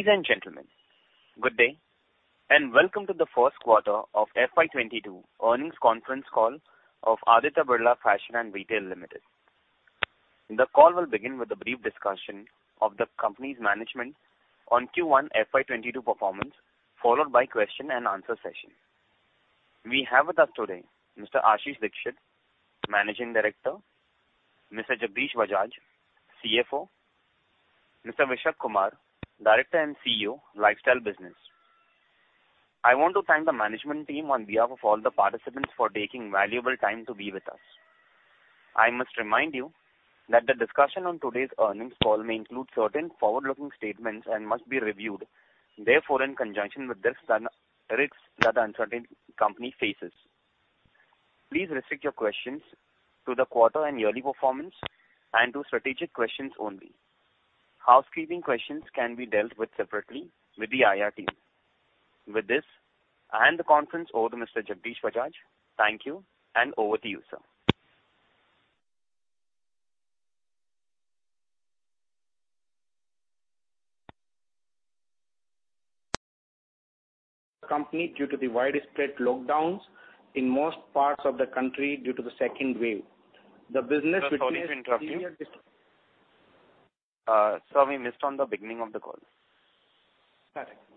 Ladies and gentlemen, good day, and welcome to the first quarter of FY 2022 earnings conference call of Aditya Birla Fashion and Retail Limited. The call will begin with a brief discussion of the company's management on Q1 FY 2022 performance, followed by question-and-answer session. We have with us today Mr. Ashish Dikshit, Managing Director; Mr. Jagdish Bajaj, CFO; Mr. Vishak Kumar, Director and CEO, Lifestyle Business. I want to thank the management team on behalf of all the participants for taking valuable time to be with us. I must remind you that the discussion on today's earnings call may include certain forward-looking statements and must be reviewed therefore in conjunction with the risks that the company faces. Please restrict your questions to the quarter and yearly performance and to strategic questions only. Housekeeping questions can be dealt with separately with the IR team. With this, I hand the conference over to Mr. Jagdish Bajaj. Thank you, and over to you, sir. Company due to the widespread lockdowns in most parts of the country due to the second wave. The business witnessed severe dis- Sir, sorry to interrupt you. Sir, we missed on the beginning of the call.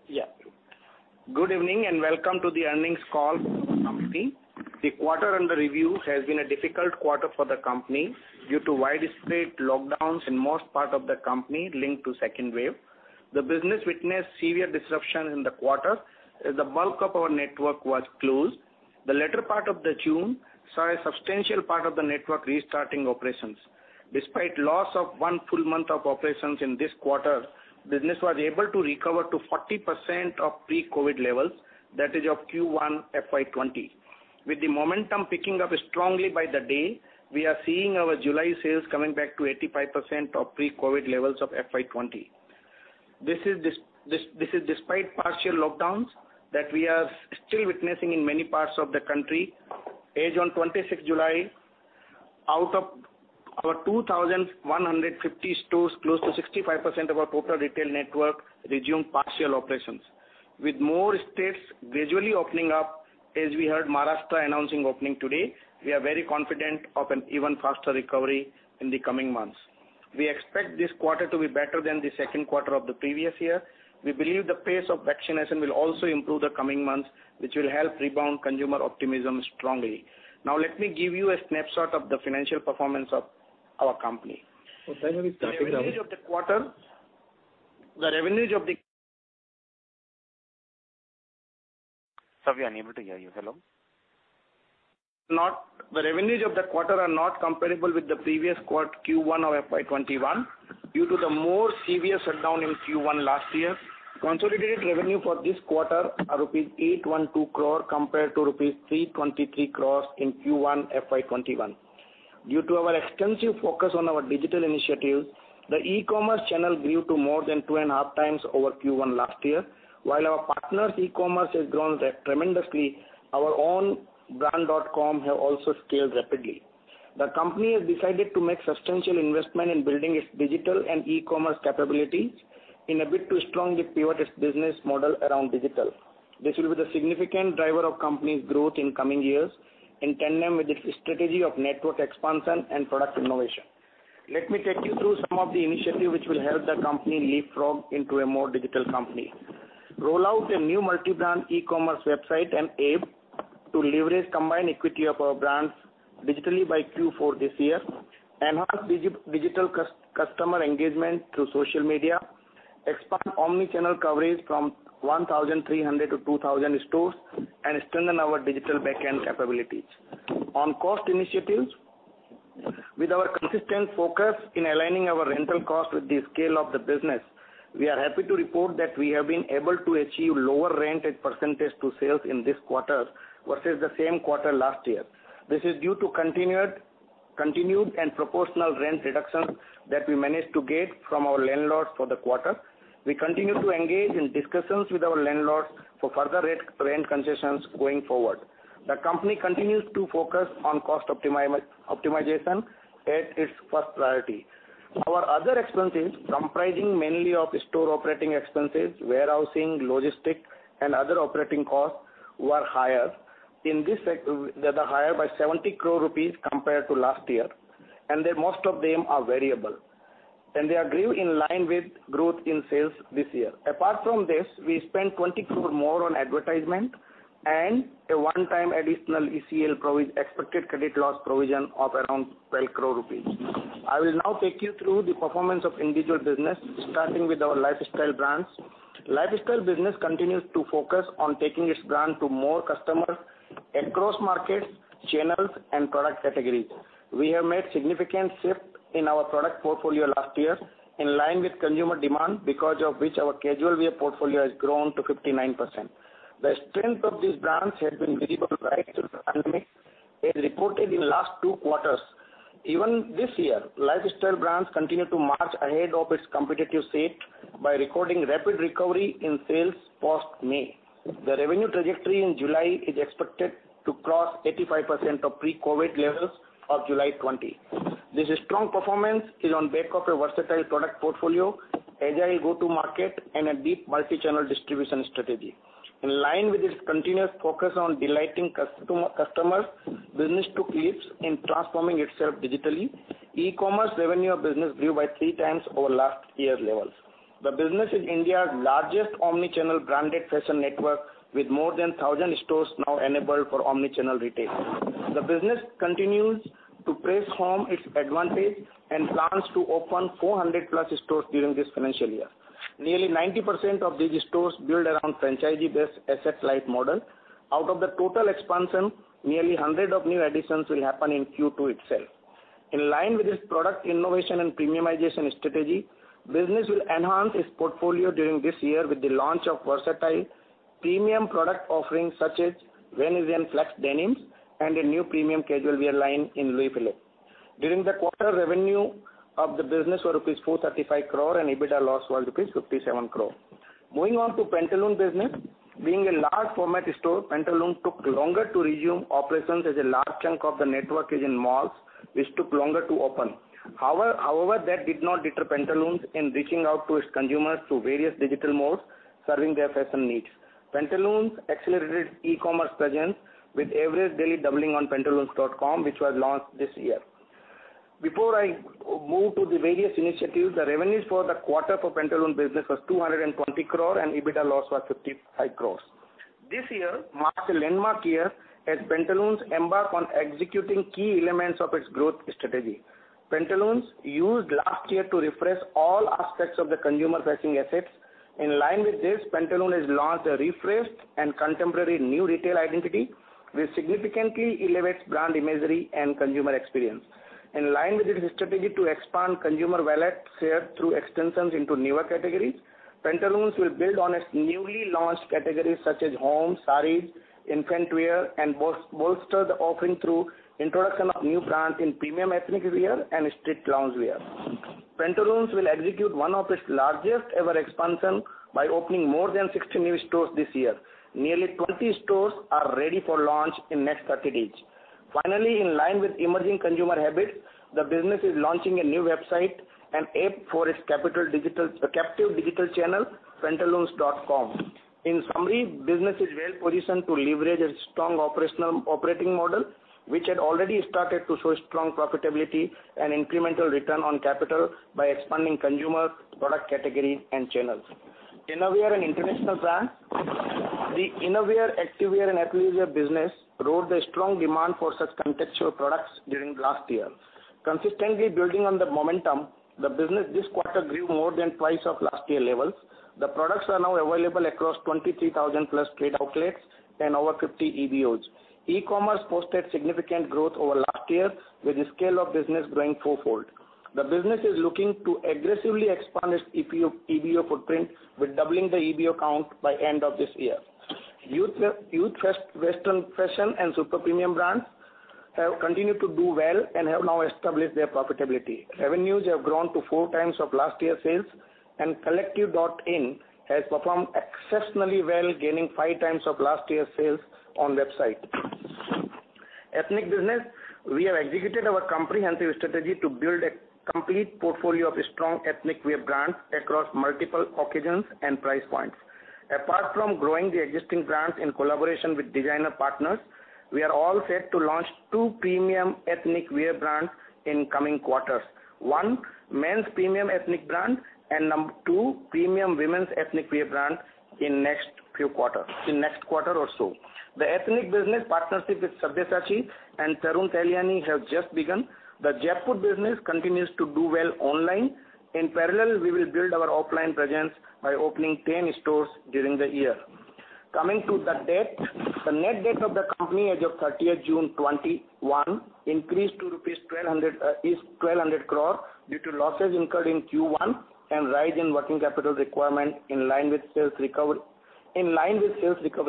Yeah. Good evening. Welcome to the earnings call company. The quarter under review has been a difficult quarter for the company due to widespread lockdowns in most part of the company linked to second wave. The business witnessed severe disruption in the quarter, as the bulk of our network was closed. The latter part of June saw a substantial part of the network restarting operations. Despite loss of one full month of operations in this quarter, business was able to recover to 40% of pre-COVID levels, that is, of Q1 FY 2020. With the momentum picking up strongly by the day, we are seeing our July sales coming back to 85% of pre-COVID levels of FY 2020. This is despite partial lockdowns that we are still witnessing in many parts of the country. As on 26th July, out of our 2,150 stores, close to 65% of our total retail network resumed partial operations. With more states gradually opening up, as we heard Maharashtra announcing opening today, we are very confident of an even faster recovery in the coming months. We expect this quarter to be better than the second quarter of the previous year. We believe the pace of vaccination will also improve the coming months, which will help rebound consumer optimism strongly. Now, let me give you a snapshot of the financial performance of our company. Sir, can you start it again? The revenues of the quarter. Sir, we are unable to hear you. Hello? The revenues of the quarter are not comparable with the previous Q1 FY21 due to the more severe shutdown in Q1 last year. Consolidated revenue for this quarter are rupees 812 crore compared to rupees 323 crore in Q1 FY21. Due to our extensive focus on our digital initiatives, the e-commerce channel grew to more than 2.5x over Q1 last year. While our partners' e-commerce has grown tremendously, our own brand.com have also scaled rapidly. The company has decided to make substantial investment in building its digital and e-commerce capabilities in a bid to strongly pivot its business model around digital. This will be the significant driver of company's growth in coming years, in tandem with its strategy of network expansion and product innovation. Let me take you through some of the initiatives which will help the company leapfrog into a more digital company. Roll out a new multi-brand e-commerce website and app to leverage combined equity of our brands digitally by Q4 this year, enhance digital customer engagement through social media, expand omni-channel coverage from 1,300 to 2,000 stores, and strengthen our digital backend capabilities. On cost initiatives, with our consistent focus in aligning our rental cost with the scale of the business, we are happy to report that we have been able to achieve lower rent as percentage to sales in this quarter versus the same quarter last year. This is due to continued and proportional rent reductions that we managed to get from our landlords for the quarter. We continue to engage in discussions with our landlords for further rent concessions going forward. The company continues to focus on cost optimization as its first priority. Our other expenses, comprising mainly of store operating expenses, warehousing, logistics, and other operating costs, were higher by 70 crore rupees compared to last year. Most of them are variable. They grew in line with growth in sales this year. Apart from this, we spent 20 crore more on advertisement and a one-time additional ECL, Expected Credit Loss provision of around 12 crore rupees. I will now take you through the performance of individual business, starting with our lifestyle brands. Lifestyle business continues to focus on taking its brand to more customers across markets, channels, and product categories. We have made significant shift in our product portfolio last year in line with consumer demand, because of which our casual wear portfolio has grown to 59%. The strength of these brands has been visible right through the pandemic, as reported in last two quarters. Even this year, lifestyle brands continue to march ahead of its competitive state by recording rapid recovery in sales post-May. The revenue trajectory in July is expected to cross 85% of pre-COVID levels of July 2020. This strong performance is on back of a versatile product portfolio, agile go-to market, and a deep multi-channel distribution strategy. In line with its continuous focus on delighting customers, business took leaps in transforming itself digitally. E-commerce revenue of business grew by 3x over last year's levels. The business is India's largest omni-channel branded fashion network with more than 1,000 stores now enabled for omni-channel retail. The business continues to press home its advantage and plans to open 400+ stores during this financial year. Nearly 90% of these stores build around franchisee-based asset-light model. Out of the total expansion, nearly 100 of new additions will happen in Q2 itself. In line with this product innovation and premiumization strategy, business will enhance its portfolio during this year with the launch of versatile premium product offerings such as Venetian flex denims and a new premium casual wear line in Louis Philippe. During the quarter, revenue of the business was rupees 435 crore and EBITDA loss was rupees 57 crore. Moving on to Pantaloons business. Being a large format store, Pantaloons took longer to resume operations as a large chunk of the network is in malls, which took longer to open. That did not deter Pantaloons in reaching out to its consumers through various digital modes, serving their fashion needs. Pantaloons accelerated e-commerce presence with average daily doubling on pantaloons.com, which was launched this year. Before I move to the various initiatives, the revenues for the quarter for Pantaloons business was 220 crore and EBITDA loss was 55 crores. This year marks a landmark year as Pantaloons embark on executing key elements of its growth strategy. Pantaloons used last year to refresh all aspects of the consumer-facing assets. In line with this, Pantaloons has launched a refreshed and contemporary new retail identity, which significantly elevates brand imagery and consumer experience. In line with its strategy to expand consumer wallet share through extensions into newer categories, Pantaloons will build on its newly launched categories such as home, sarees, infant wear, and bolster the offering through introduction of new brands in premium ethnic wear and street loungewear. Pantaloons will execute one of its largest ever expansion by opening more than 60 new stores this year. Nearly 20 stores are ready for launch in next 30 days. Finally, in line with emerging consumer habits, the business is launching a new website and app for its captive digital channel, pantaloons.com. In summary, business is well positioned to leverage its strong operating model, which had already started to show strong profitability and incremental return on capital by expanding consumer product categories and channels. Innerwear and international brand. The innerwear, activewear and athleisure business rode the strong demand for such contextual products during last year. Consistently building on the momentum, the business this quarter grew more than twice of last year levels. The products are now available across 23,000+ trade outlets and over 50 EBOs. E-commerce posted significant growth over last year, with the scale of business growing fourfold. The business is looking to aggressively expand its EBO footprint with doubling the EBO count by end of this year. Youth western fashion and super premium brands have continued to do well and have now established their profitability. Revenues have grown to 4x of last year sales, and thecollective.in has performed exceptionally well, gaining 5x of last year's sales on website. Ethnic business, we have executed our comprehensive strategy to build a complete portfolio of strong ethnic wear brands across multiple occasions and price points. Apart from growing the existing brands in collaboration with designer partners, we are all set to launch two premium ethnic wear brands in coming quarters. One, men's premium ethnic brand and two, premium women's ethnic wear brand in next quarter or so. The ethnic business partnership with Sabyasachi and Tarun Tahiliani have just begun. The Jaypore business continues to do well online. In parallel, we will build our offline presence by opening 10 stores during the year. Coming to the debt. The net debt of the company as of 30th June 2021 increased to 1,200 crore due to losses incurred in Q1 and rise in working capital requirement in line with sales recovery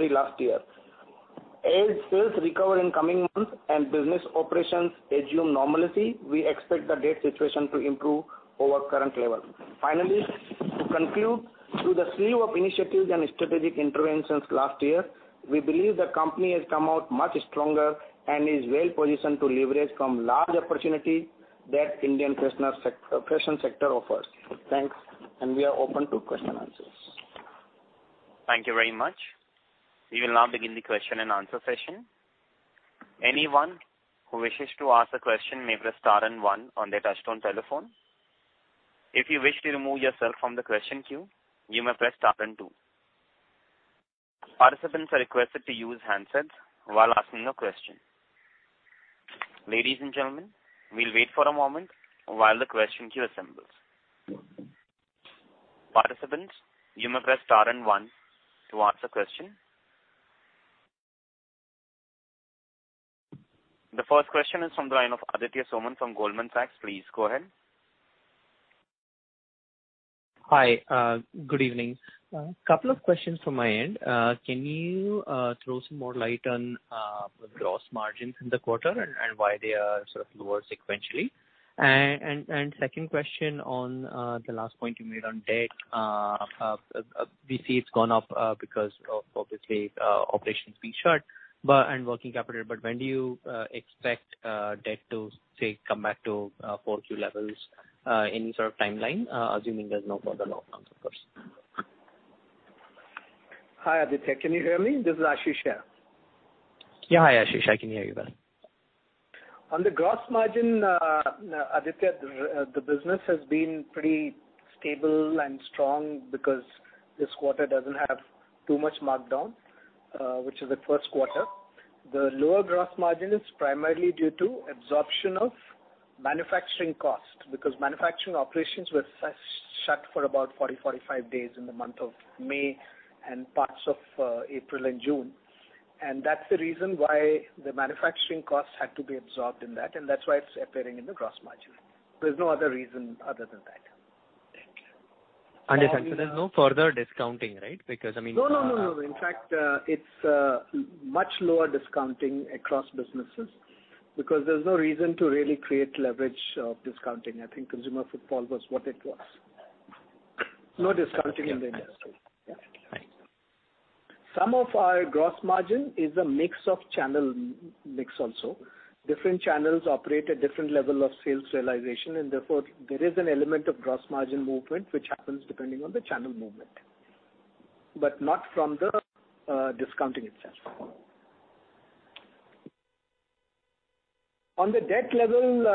last year. As sales recover in coming months and business operations assume normalcy, we expect the debt situation to improve over current level. Finally, to conclude, through the slew of initiatives and strategic interventions last year, we believe the company has come out much stronger and is well positioned to leverage from large opportunity that Indian fashion sector offers. Thanks, we are open to question answers. Thank you very much. We will now begin the question-and-answer session. Anyone who wishes to ask a question may press star and one on their touchtone telephone. If you wish to remove yourself from the question queue, you may press star and two. Participants are requested to use handsets while asking a question. Ladies and gentlemen, we will wait for a moment while the question queue assembles. Participants, you may press star and one to ask a question. The first question is from the line of Aditya Soman from Goldman Sachs. Please go ahead. Hi, good evening. Couple questions from my end. Can you throw some more light on gross margins in the quarter, and why they are sort of lower sequentially? Second question on the last point you made on debt. We see it's gone up because of, obviously, operations being shut and working capital. When do you expect debt to, say, come back to 4Q levels, any sort of timeline, assuming there's no further lockdowns, of course? Hi, Aditya. Can you hear me? This is Ashish here. Yeah. Hi, Ashish. I can hear you better. On the gross margin, Aditya, the business has been pretty stable and strong because this quarter doesn't have too much markdown, which is the first quarter. The lower gross margin is primarily due to absorption of manufacturing cost because manufacturing operations were shut for about 40, 45 days in the month of May and parts of April and June. That's the reason why the manufacturing cost had to be absorbed in that, and that's why it's appearing in the gross margin. There's no other reason other than that. Thank you. Understand. There's no further discounting, right? No, no. In fact, it's much lower discounting across businesses because there's no reason to really create leverage of discounting. I think consumer footfall was what it was. No discounting in the industry. Yeah. Thanks. Some of our gross margin is a mix of channel mix also. Different channels operate at different level of sales realization, and therefore, there is an element of gross margin movement, which happens depending on the channel movement, but not from the discounting itself. On the debt level,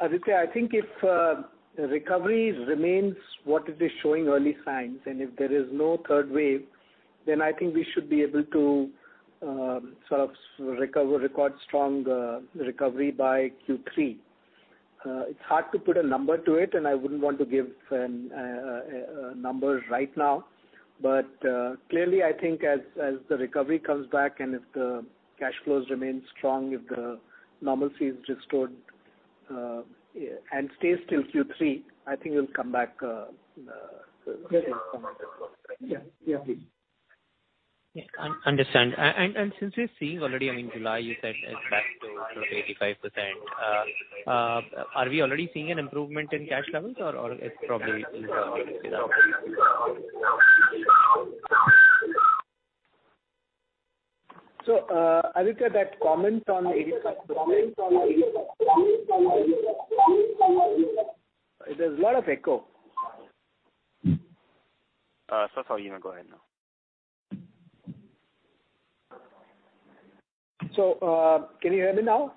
Aditya, I think if recoveries remains what it is showing early signs, and if there is no third wave, then I think we should be able to sort of record strong recovery by Q3. It's hard to put a number to it, and I wouldn't want to give numbers right now. Clearly, I think as the recovery comes back and if the cash flows remain strong, if the normalcy is restored and stays till Q3, I think we'll come back to normal as well. Yeah. Yeah, understand. Since you're seeing already, I mean July you said is back to about 85%. Are we already seeing an improvement in cash levels, or it probably is still upcoming? Aditya, that comment on 85%. There's a lot of echo. It's all you. Go ahead now. Can you hear me now?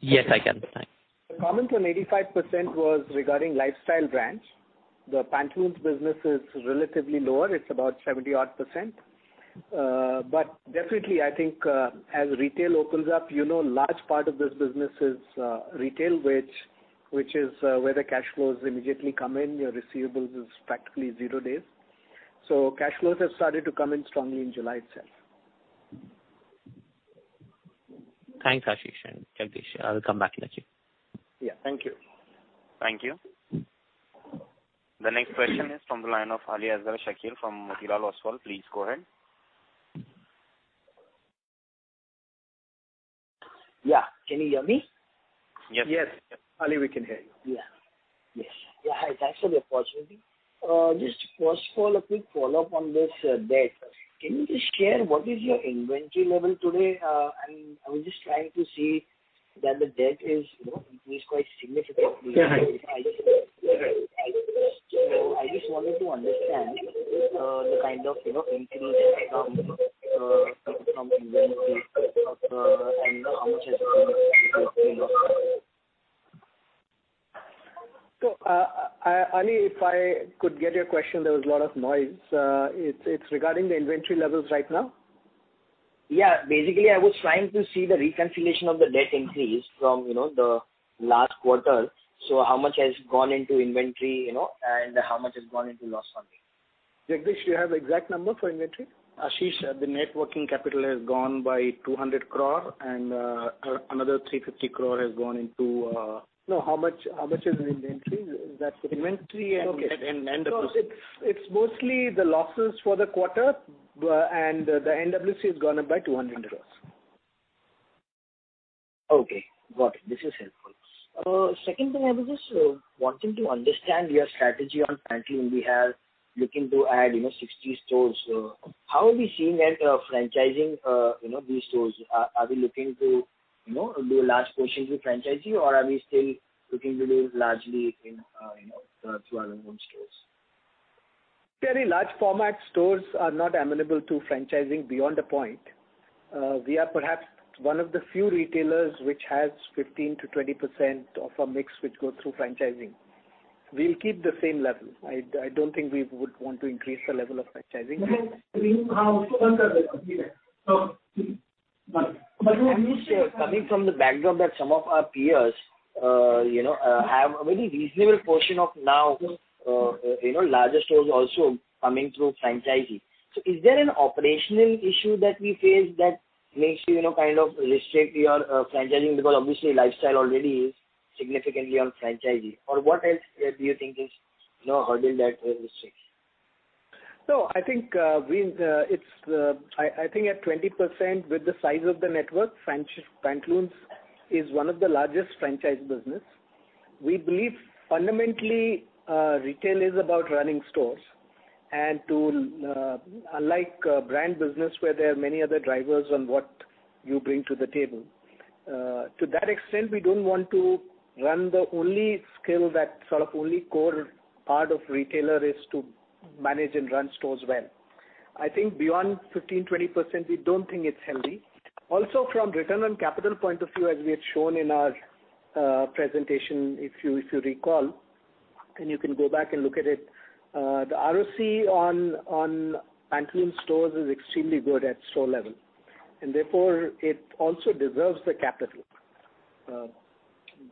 Yes, I can. Thanks. The comment on 85% was regarding lifestyle brands. The Pantaloons business is relatively lower. It's about 70%. Definitely I think, as retail opens up, large part of this business is retail, which is where the cash flows immediately come in. Your receivables is practically zero days. Cash flows have started to come in strongly in July itself. Thanks, Ashish and Jagdish. I will come back later. Yeah. Thank you. Thank you. The next question is from the line of Aliasgar Shakir from Motilal Oswal. Please go ahead. Yeah. Can you hear me? Yes. Ali, we can hear you. Yeah. Yes. Yeah. Hi, thanks for the opportunity. Just first of all a quick follow-up on this debt. Can you just share what is your inventory level today? I was just trying to see that the debt is increased quite significantly. Yeah. I just wanted to understand the kind of increase from inventory and how much has been lost. Ali, if I could get your question, there was a lot of noise. It's regarding the inventory levels right now? Yeah. Basically, I was trying to see the reconciliation of the debt increase from the last quarter. How much has gone into inventory, and how much has gone into loss funding? Jagdish, do you have the exact number for inventory? Ashish, the net working capital has gone by 200 crore and another 350 crore has gone into. No, how much is in inventory? Inventory and- Okay. The losses. It's mostly the losses for the quarter and the NWC has gone up by 200 crores. Okay, got it. This is helpful. Second thing, I was just wanting to understand your strategy on Pantaloons. We are looking to add 60 stores. How are we seeing that franchising these stores? Are we looking to do a large portion through franchisee, or are we still looking to do largely through our own stores? Very large format stores are not amenable to franchising beyond a point. We are perhaps one of the few retailers which has 15%-20% of our mix which goes through franchising. We'll keep the same level. I don't think we would want to increase the level of franchising. Coming from the background that some of our peers have a very reasonable portion of now larger stores also coming through franchising. Is there an operational issue that we face that makes you kind of restrict your franchising? Obviously lifestyle already is significantly on franchisee, or what else do you think is hurdle that restricts? I think at 20% with the size of the network, Pantaloons is one of the largest franchise business. We believe fundamentally, retail is about running stores and unlike brand business where there are many other drivers on what you bring to the table. To that extent, we don't want to run the only skill that sort of only core part of retailer is to manage and run stores well. I think beyond 15%, 20%, we don't think it's healthy. From return on capital point of view, as we had shown in our presentation, if you recall, and you can go back and look at it, the ROC on Pantaloons stores is extremely good at store level, and therefore, it also deserves the capital.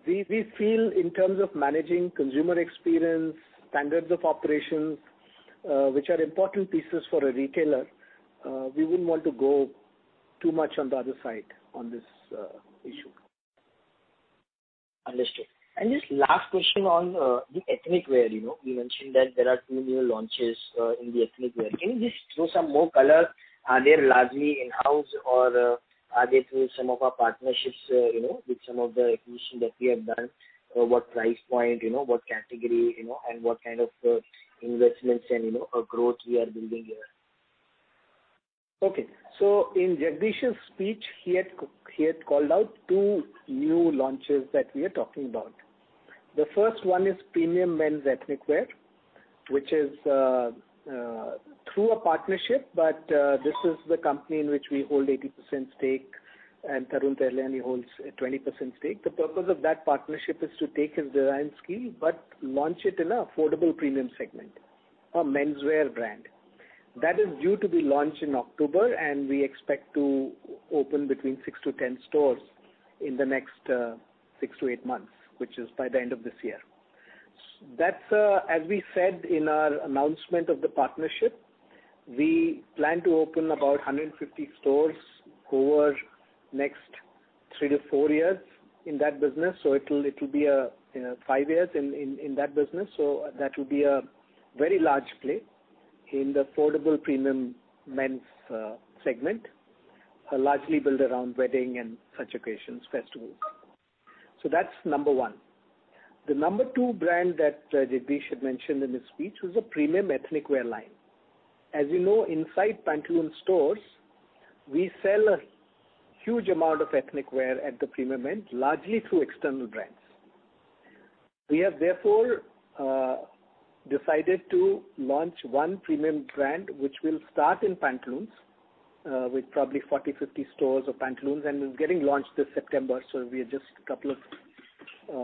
We feel in terms of managing consumer experience, standards of operations, which are important pieces for a retailer, we wouldn't want to go too much on the other side on this issue. Understood. Just last question on the ethnic wear. You mentioned that there are two new launches in the ethnic wear. Can you just throw some more color? Are they largely in-house or are they through some of our partnerships, with some of the acquisition that we have done? What price point, what category, and what kind of investments and growth we are building here? Okay. In Jagdish's speech, he had called out two new launches that we are talking about. The first one is premium men's ethnic wear, which is through a partnership, but this is the company in which we hold 80% stake and Tarun Tahiliani holds a 20% stake. The purpose of that partnership is to take his design skill, but launch it in a affordable premium segment, a menswear brand. That is due to be launched in October, and we expect to open between six and 10 stores in the next six to eight months, which is by the end of this year. As we said in our announcement of the partnership, we plan to open about 150 stores over next three to four years in that business. It'll be five years in that business. That will be a very large play in the affordable premium men's segment, largely built around wedding and such occasions, festivals. The number two brand that Jagdish had mentioned in his speech was a premium ethnic wear line. As you know, inside Pantaloons stores, we sell a huge amount of ethnic wear at the premium end, largely through external brands. We have therefore decided to launch one premium brand which will start in Pantaloons with probably 40, 50 stores of Pantaloons and is getting launched this September, so we are just a couple of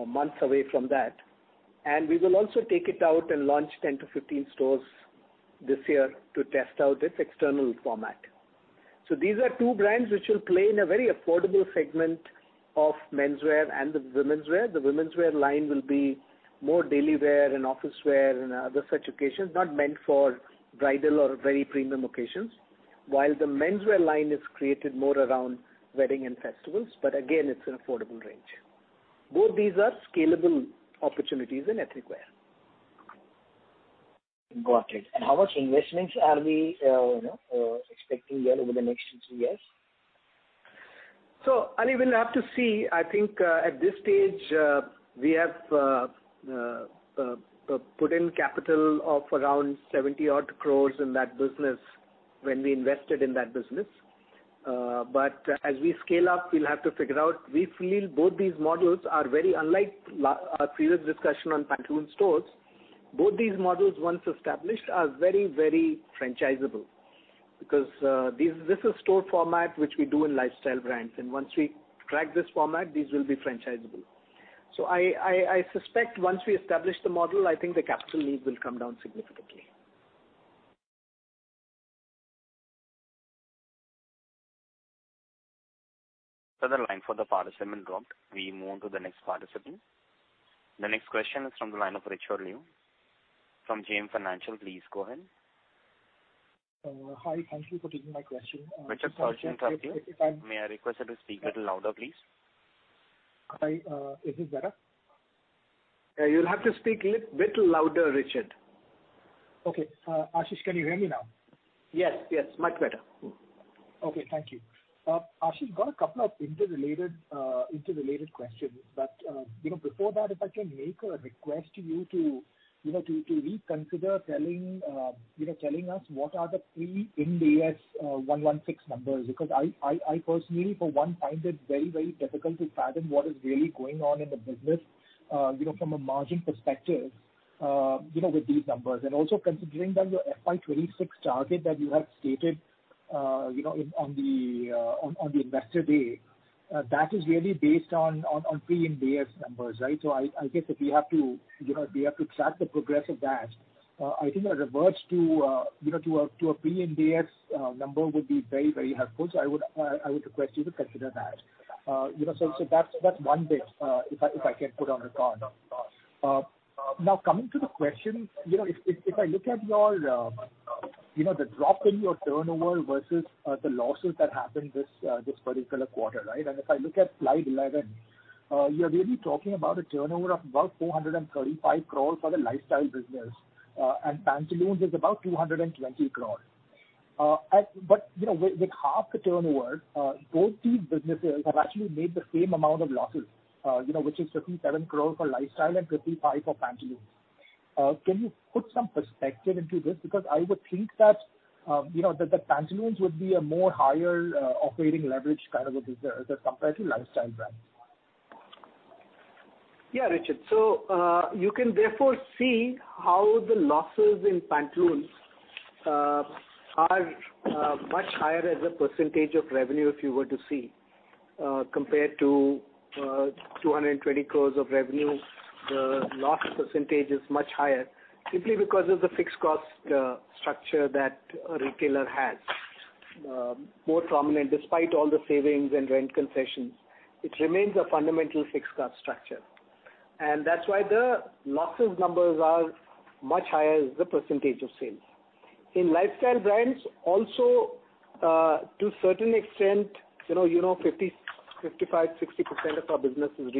months away from that. We will also take it out and launch 10-15 stores this year to test out its external format. These are two brands which will play in a very affordable segment of menswear and the womenswear. The womenswear line will be more daily wear and office wear and other such occasions, not meant for bridal or very premium occasions. While the menswear line is created more around wedding and festivals, but again, it's an affordable range. Both these are scalable opportunities in ethnic wear. Got it. How much investments are we expecting there over the next two, three years? Ali, we'll have to see. I think, at this stage, we have put in capital of around 70 odd crores in that business when we invested in that business. As we scale up, we'll have to figure out. We feel both these models are very unlike our previous discussion on Pantaloons stores. Both these models, once established, are very franchisable because this is store format which we do in lifestyle brands, and once we crack this format, these will be franchisable. I suspect once we establish the model, I think the capital need will come down significantly. The line for the participant dropped. We move on to the next participant. The next question is from the line of Richard Liu from JM Financial. Please go ahead. Hi. Thank you for taking my question. Richard, sorry to interrupt you. May I request you to speak little louder, please? Hi. Is this better? You'll have to speak little louder, Richard. Okay. Ashish, can you hear me now? Yes. Much better. Okay. Thank you. Ashish, got a couple of interrelated questions, but before that, if I can make a request to you to reconsider telling us what are the pre-Ind AS 116 numbers, because I personally, for one, find it very difficult to fathom what is really going on in the business from a margin perspective with these numbers. Also considering that your FY 2026 target that you have stated on the investor day, that is really based on pre-Ind AS numbers, right? I guess if we have to track the progress of that, I think a reverse to a pre-Ind AS number would be very helpful. That's one bit if I can put on record. Now, coming to the question, if I look at the drop in your turnover versus the losses that happened this particular quarter, right? If I look at slide 11, you are really talking about a turnover of about 435 crore for the Lifestyle business. Pantaloons is about 220 crore. With half the turnover, both these businesses have actually made the same amount of losses, which is 57 crore for Lifestyle and 55 crore for Pantaloons. Can you put some perspective into this? I would think that the Pantaloons would be a more higher operating leverage kind of a business as compared to Lifestyle Brands. Yeah, Richard. You can therefore see how the losses in Pantaloons are much higher as a percentage of revenue if you were to see. Compared to 220 crore of revenue, the loss percentage is much higher simply because of the fixed cost structure that a retailer has. More prominent despite all the savings and rent concessions, it remains a fundamental fixed cost structure. That's why the losses numbers are much higher as the percentage of sales. In Lifestyle Brands also, to a certain extent, 55%-60% of our business is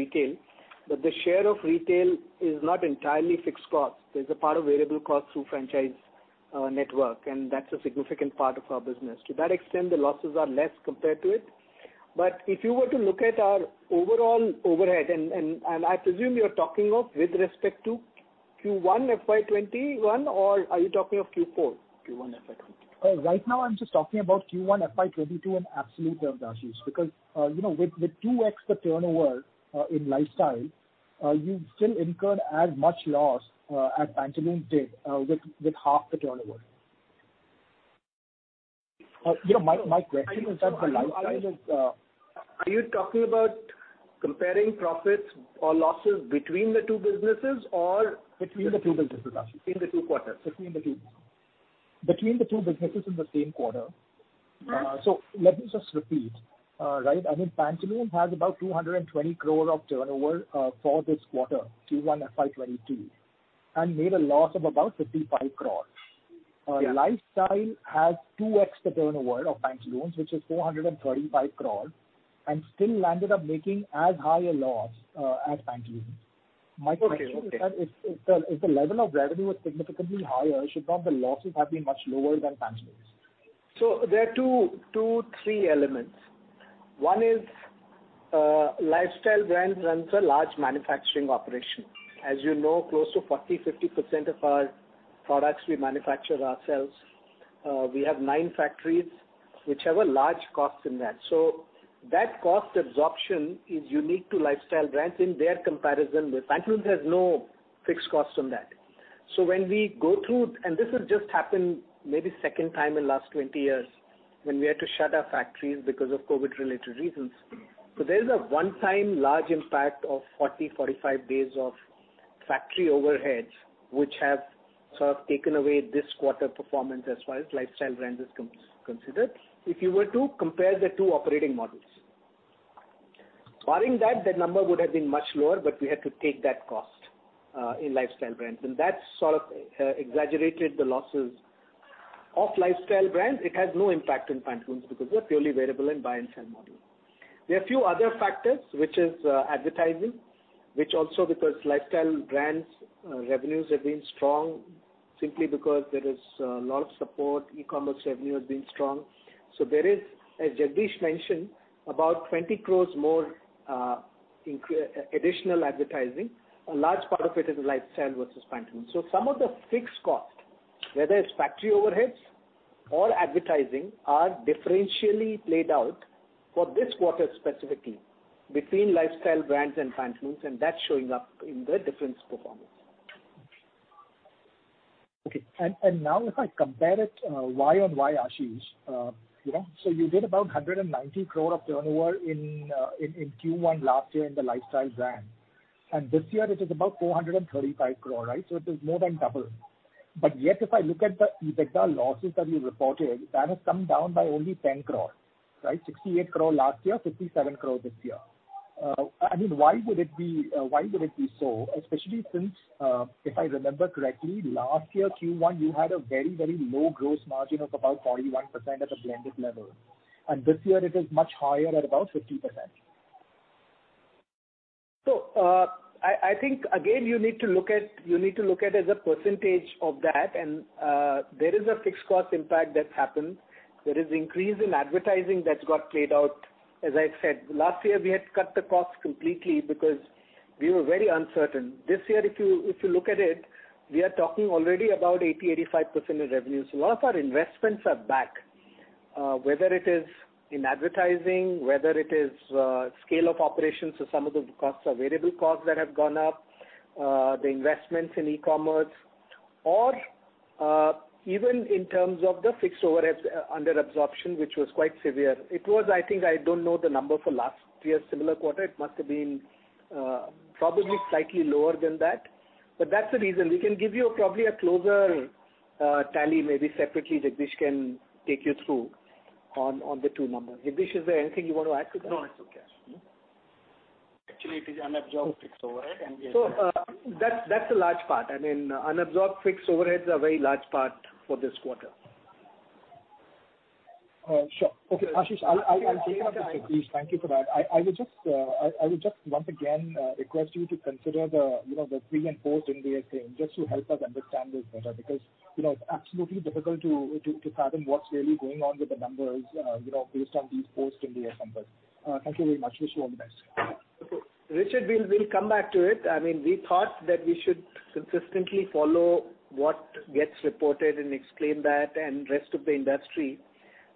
retail, the share of retail is not entirely fixed costs. There's a part of variable cost through franchise network, that's a significant part of our business. To that extent, the losses are less compared to it. If you were to look at our overall overhead, I presume you're talking of with respect to Q1 FY 2021, or are you talking of Q4? Q1 FY 2022. Right now I'm just talking about Q1 FY 2022 in absolute terms, Ashish, because with 2x the turnover in Lifestyle, you still incurred as much loss as Pantaloons did with half the turnover. My question in terms of Lifestyle is: Are you talking about comparing profits or losses between the two businesses, or between the two businesses, Ashish? Between the two quarters? Between the two businesses in the same quarter. Let me just repeat. I mean, Pantaloons has about 220 crore of turnover for this quarter, Q1 FY 2022, and made a loss of about 55 crore. Yeah. Lifestyle has 2x the turnover of Pantaloons, which is 435 crore, and still landed up making as high a loss as Pantaloons. Okay. My question is that if the level of revenue was significantly higher, should not the losses have been much lower than Pantaloons? There are two, three elements. One is, Lifestyle Brands runs a large manufacturing operation. As you know, close to 40%-50% of our products we manufacture ourselves. We have nine factories, which have a large cost in that. That cost absorption is unique to Lifestyle Brands in their comparison with Pantaloons has no fixed costs on that. This has just happened maybe second time in the last 20 years, when we had to shut our factories because of COVID-related reasons. There is a one-time large impact of 40, 45 days of factory overheads, which have sort of taken away this quarter performance as far as Lifestyle Brands is considered, if you were to compare the two operating models. Barring that, the number would have been much lower, but we had to take that cost in Lifestyle Brands, and that sort of exaggerated the losses of Lifestyle Brands. It has no impact on Pantaloons because they're purely variable and buy and sell model. There are few other factors, which is advertising, which also because Lifestyle Brands revenues have been strong simply because there is a lot of support, e-commerce revenue has been strong. There is, as Jagdish mentioned, about 20 crore more additional advertising. A large part of it is Lifestyle versus Pantaloons. Some of the fixed cost, whether it's factory overheads or advertising, are differentially played out for this quarter specifically between Lifestyle Brands and Pantaloons, and that's showing up in the difference performance. Okay. And now if I compare it YoY, Ashish. You did about 190 crore of turnover in Q1 last year in the Lifestyle Brand, and this year it is about 435 crore, right? It is more than double. Yet if I look at the EBITDA losses that you reported, that has come down by only 10 crore, right? 68 crore last year, 57 crore this year. I mean, why would it be so? Especially since, if I remember correctly, last year Q1, you had a very, very low gross margin of about 41% at a blended level, and this year it is much higher at about 50%. I think again, you need to look at it as a percentage of that, and there is a fixed cost impact that's happened. There is increase in advertising that got played out. As I said, last year we had cut the costs completely because we were very uncertain. This year, if you look at it, we are talking already about 80%-85% of revenues. A lot of our investments are back, whether it is in advertising, whether it is scale of operations, so some of the costs are variable costs that have gone up, the investments in e-commerce, or even in terms of the fixed overheads under absorption, which was quite severe. It was, I think, I don't know the number for last year's similar quarter. It must have been probably slightly lower than that. That's the reason. We can give you probably a closer tally, maybe separately Jagdish can take you through on the two numbers. Jagdish, is there anything you want to add to that? No, that's okay. Actually, it is unabsorbed fixed overhead. That's a large part. I mean, unabsorbed fixed overheads are very large part for this quarter. Sure. Ashish and Jagdish. Thank you for that. I would just once again request you to consider the pre and post-Ind AS thing, just to help us understand this better, because it's absolutely difficult to pattern what's really going on with the numbers based on these post-Ind AS numbers. Thank you very much. Wish you all the best. Richard, we'll come back to it. We thought that we should consistently follow what gets reported and explain that and rest of the industry.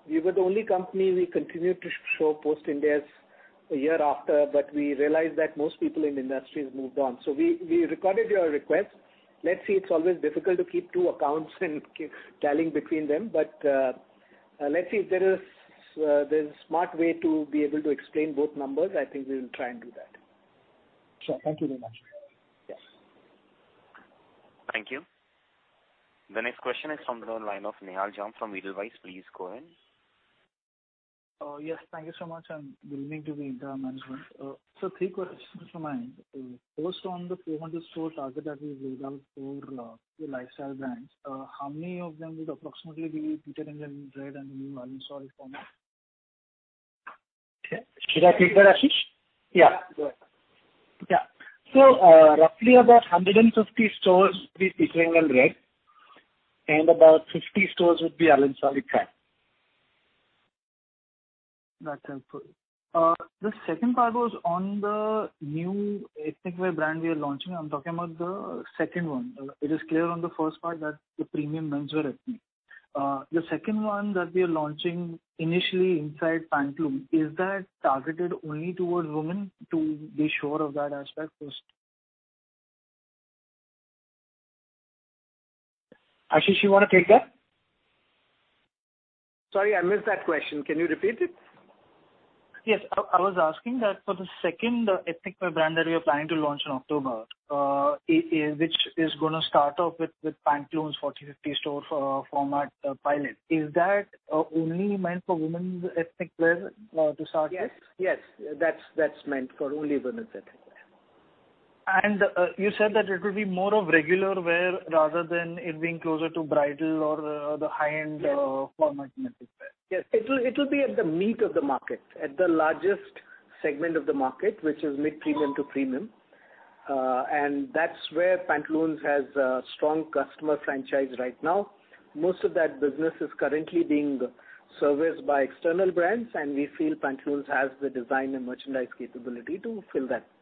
We were the only company, we continued to show post-Ind AS a year after, but we realized that most people in the industry have moved on. We recorded your request. Let's see, it's always difficult to keep two accounts and keep tallying between them. Let's see if there's a smart way to be able to explain both numbers, I think we'll try and do that. Sure. Thank you very much. Yes. Thank you. The next question is from the line of Nihal Jham from Edelweiss. Please go ahead. Yes, thank you so much, good evening to the management. Three questions from my end. First, on the 400 store target that we laid out for the lifestyle brands, how many of them would approximately be Peter England and Red and the new Allen Solly format? Should I take that, Ashish? Yeah, go ahead. Yeah. Roughly about 150 stores will be Peter England Red, and about 50 stores would be Allen Solly retail. That's helpful. The second part was on the new ethnic wear brand we are launching. I'm talking about the second one. It is clear on the first part that the premium men's wear ethnic. The second one that we are launching initially inside Pantaloons, is that targeted only towards women to be sure of that aspect first? Ashish, you want to take that? Sorry, I missed that question. Can you repeat it? Yes. I was asking that for the second ethnic wear brand that we are planning to launch in October, which is gonna start off with Pantaloons 40-50 store format pilot. Is that only meant for women's ethnic wear to start with? Yes. That's meant for only women's ethnic wear. You said that it will be more of regular wear rather than it being closer to bridal or the high-end format ethnic wear. Yes. It'll be at the meat of the market, at the largest segment of the market, which is mid-premium to premium. That's where Pantaloons has a strong customer franchise right now. Most of that business is currently being serviced by external brands, and we feel Pantaloons has the design and merchandise capability to fill that space.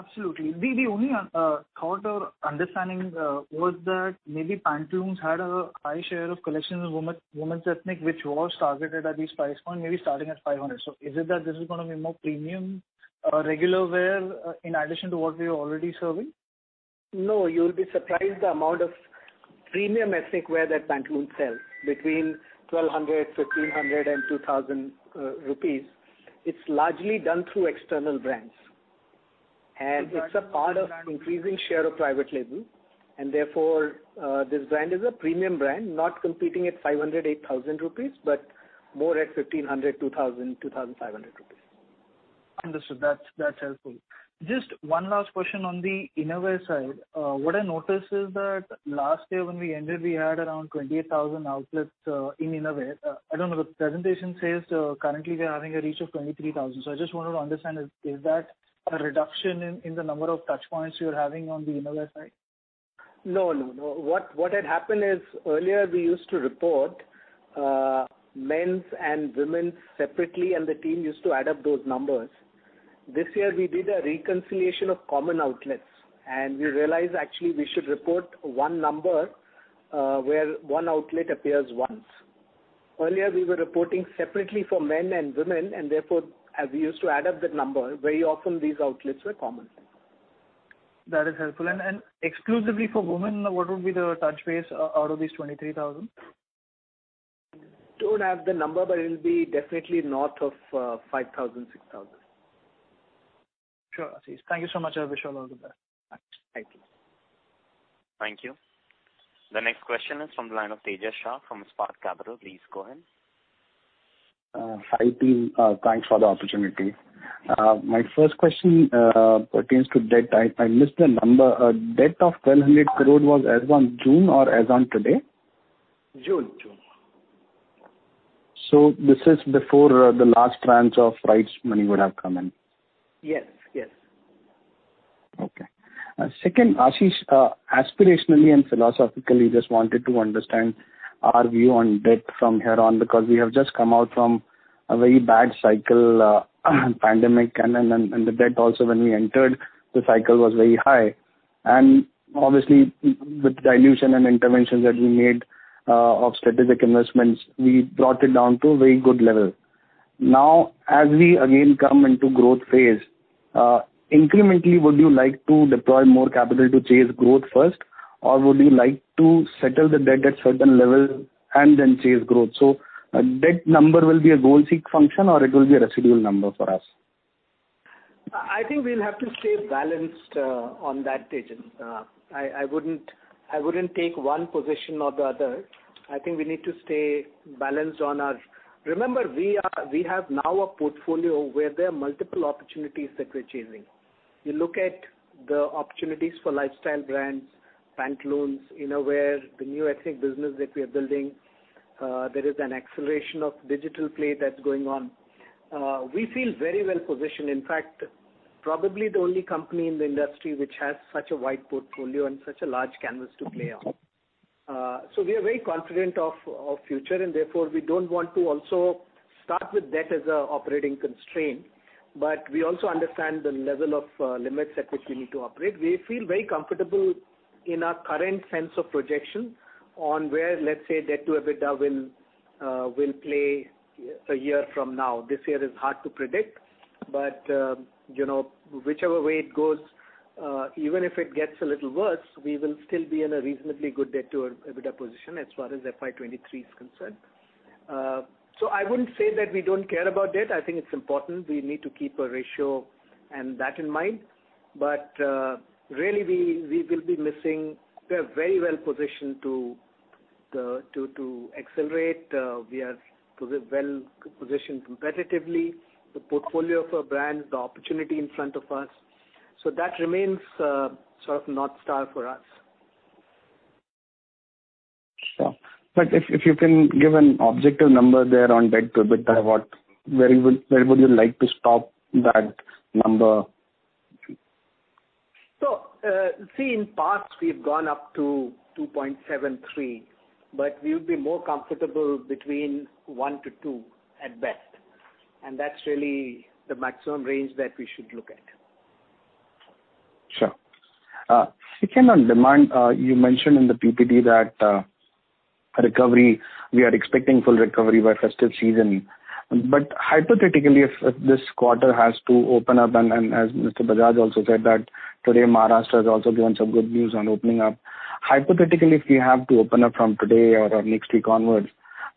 Absolutely. The only thought or understanding was that maybe Pantaloons had a high share of collections in women's ethnic, which was targeted at this price point, maybe starting at 500. Is it that this is gonna be more premium, regular wear, in addition to what we were already serving? No, you'll be surprised the amount of premium ethnic wear that Pantaloons sells, between 1,200, 1,500 rupees, and 2,000 rupees. It's largely done through external brands. It's a part of increasing share of private label, and therefore, this brand is a premium brand, not competing at 500, 8,000 rupees, but more at 1,500, 2,000, 2,500 rupees. Understood. That's helpful. Just one last question on the innerwear side. What I noticed is that last year when we ended, we had around 28,000 outlets in innerwear. I don't know, the presentation says currently we are having a reach of 23,000. I just wanted to understand, is that a reduction in the number of touchpoints you're having on the innerwear side? No. What had happened is, earlier we used to report men's and women's separately, and the team used to add up those numbers. This year we did a reconciliation of common outlets, and we realized actually we should report one number, where one outlet appears once. Earlier, we were reporting separately for men and women, and therefore, as we used to add up that number, very often these outlets were common. That is helpful. Exclusively for women, what would be the touch base out of these 23,000? Don't have the number, but it'll be definitely north of 5,000, 6,000. Sure, Ashish. Thank you so much. I wish you all the best. Thanks. Thank you. Thank you. The next question is from the line of Tejas Shah from Spark Capital. Please go ahead. Hi, team. Thanks for the opportunity. My first question pertains to debt. I missed the number. Debt of 1,100 crore was as on June or as on today? June. This is before the last tranche of rights money would have come in. Yes. Okay. Second, Ashish, aspirationally and philosophically, just wanted to understand our view on debt from here on, because we have just come out from a very bad cycle, pandemic and the debt also when we entered the cycle was very high. Obviously with dilution and interventions that we made of strategic investments, we brought it down to a very good level. Now as we again come into growth phase, incrementally would you like to deploy more capital to chase growth first, or would you like to settle the debt at certain level and then chase growth? Debt number will be a goal seek function or it will be a residual number for us? I think we'll have to stay balanced on that, Tejas. I wouldn't take one position or the other. I think we need to stay balanced. Remember, we have now a portfolio where there are multiple opportunities that we're chasing. You look at the opportunities for lifestyle brands, Pantaloons, innerwear, the new ethnic business that we are building. There is an acceleration of digital play that's going on. We feel very well-positioned. In fact, probably the only company in the industry which has such a wide portfolio and such a large canvas to play on. We are very confident of our future, and therefore, we don't want to also start with debt as an operating constraint. We also understand the level of limits at which we need to operate. We feel very comfortable in our current sense of projection on where, let's say, debt to EBITDA will play a year from now. This year is hard to predict, but whichever way it goes, even if it gets a little worse, we will still be in a reasonably good debt to EBITDA position as far as FY 2023 is concerned. I wouldn't say that we don't care about debt. I think it's important. We need to keep a ratio and that in mind. Really, we are very well positioned to accelerate. We are well positioned competitively. The portfolio of our brands, the opportunity in front of us. That remains sort of north star for us. Sure. If you can give an objective number there on debt to EBITDA, where would you like to stop that number? See, in the past, we've gone up to 2.73, but we would be more comfortable between one and two at best, and that's really the maximum range that we should look at. Sure. Speaking on demand, you mentioned in the PPT that we are expecting full recovery by festive season. Hypothetically, if this quarter has to open up, and as Mr. Jagdish Bajaj also said that today, Maharashtra has also given some good news on opening up. Hypothetically, if we have to open up from today or next week onwards,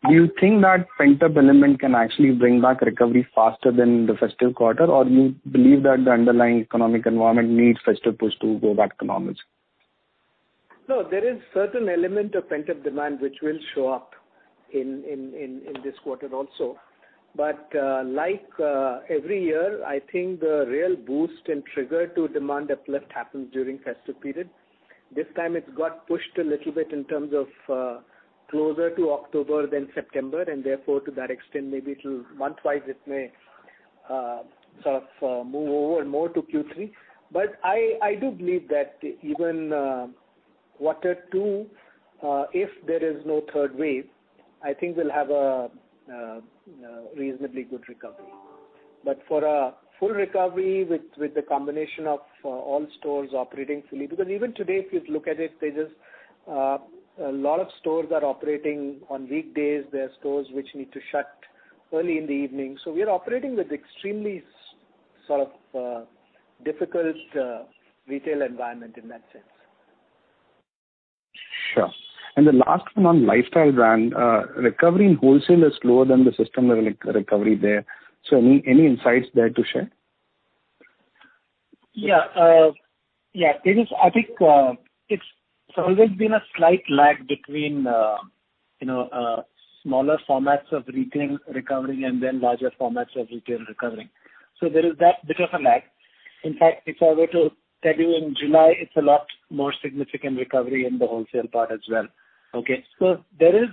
do you think that pent-up element can actually bring back recovery faster than the festive quarter? Do you believe that the underlying economic environment needs festive push to go back to normal? No, there is a certain element of pent-up demand which will show up in this quarter also. Like every year, I think the real boost and trigger to demand uplift happens during the festive period. This time it got pushed a little bit in terms of closer to October than September, and therefore, to that extent, maybe month-wise, it may sort of move over more to Q3. I do believe that even quarter two, if there is no third wave, I think we'll have a reasonably good recovery. For a full recovery with the combination of all stores operating fully, because even today, if you look at it, a lot of stores are operating on weekdays. There are stores that need to shut early in the evening. We are operating with extremely difficult retail environment in that sense. Sure. The last one on the Lifestyle Brand, recovery in wholesale is slower than the system recovery there. Any insights there to share? Yeah. I think it's always been a slight lag between smaller formats of retail recovery and then larger formats of retail recovery. There is that bit of a lag. In fact, if I were to tell you in July, it's a lot more significant recovery in the wholesale part as well. Okay. There is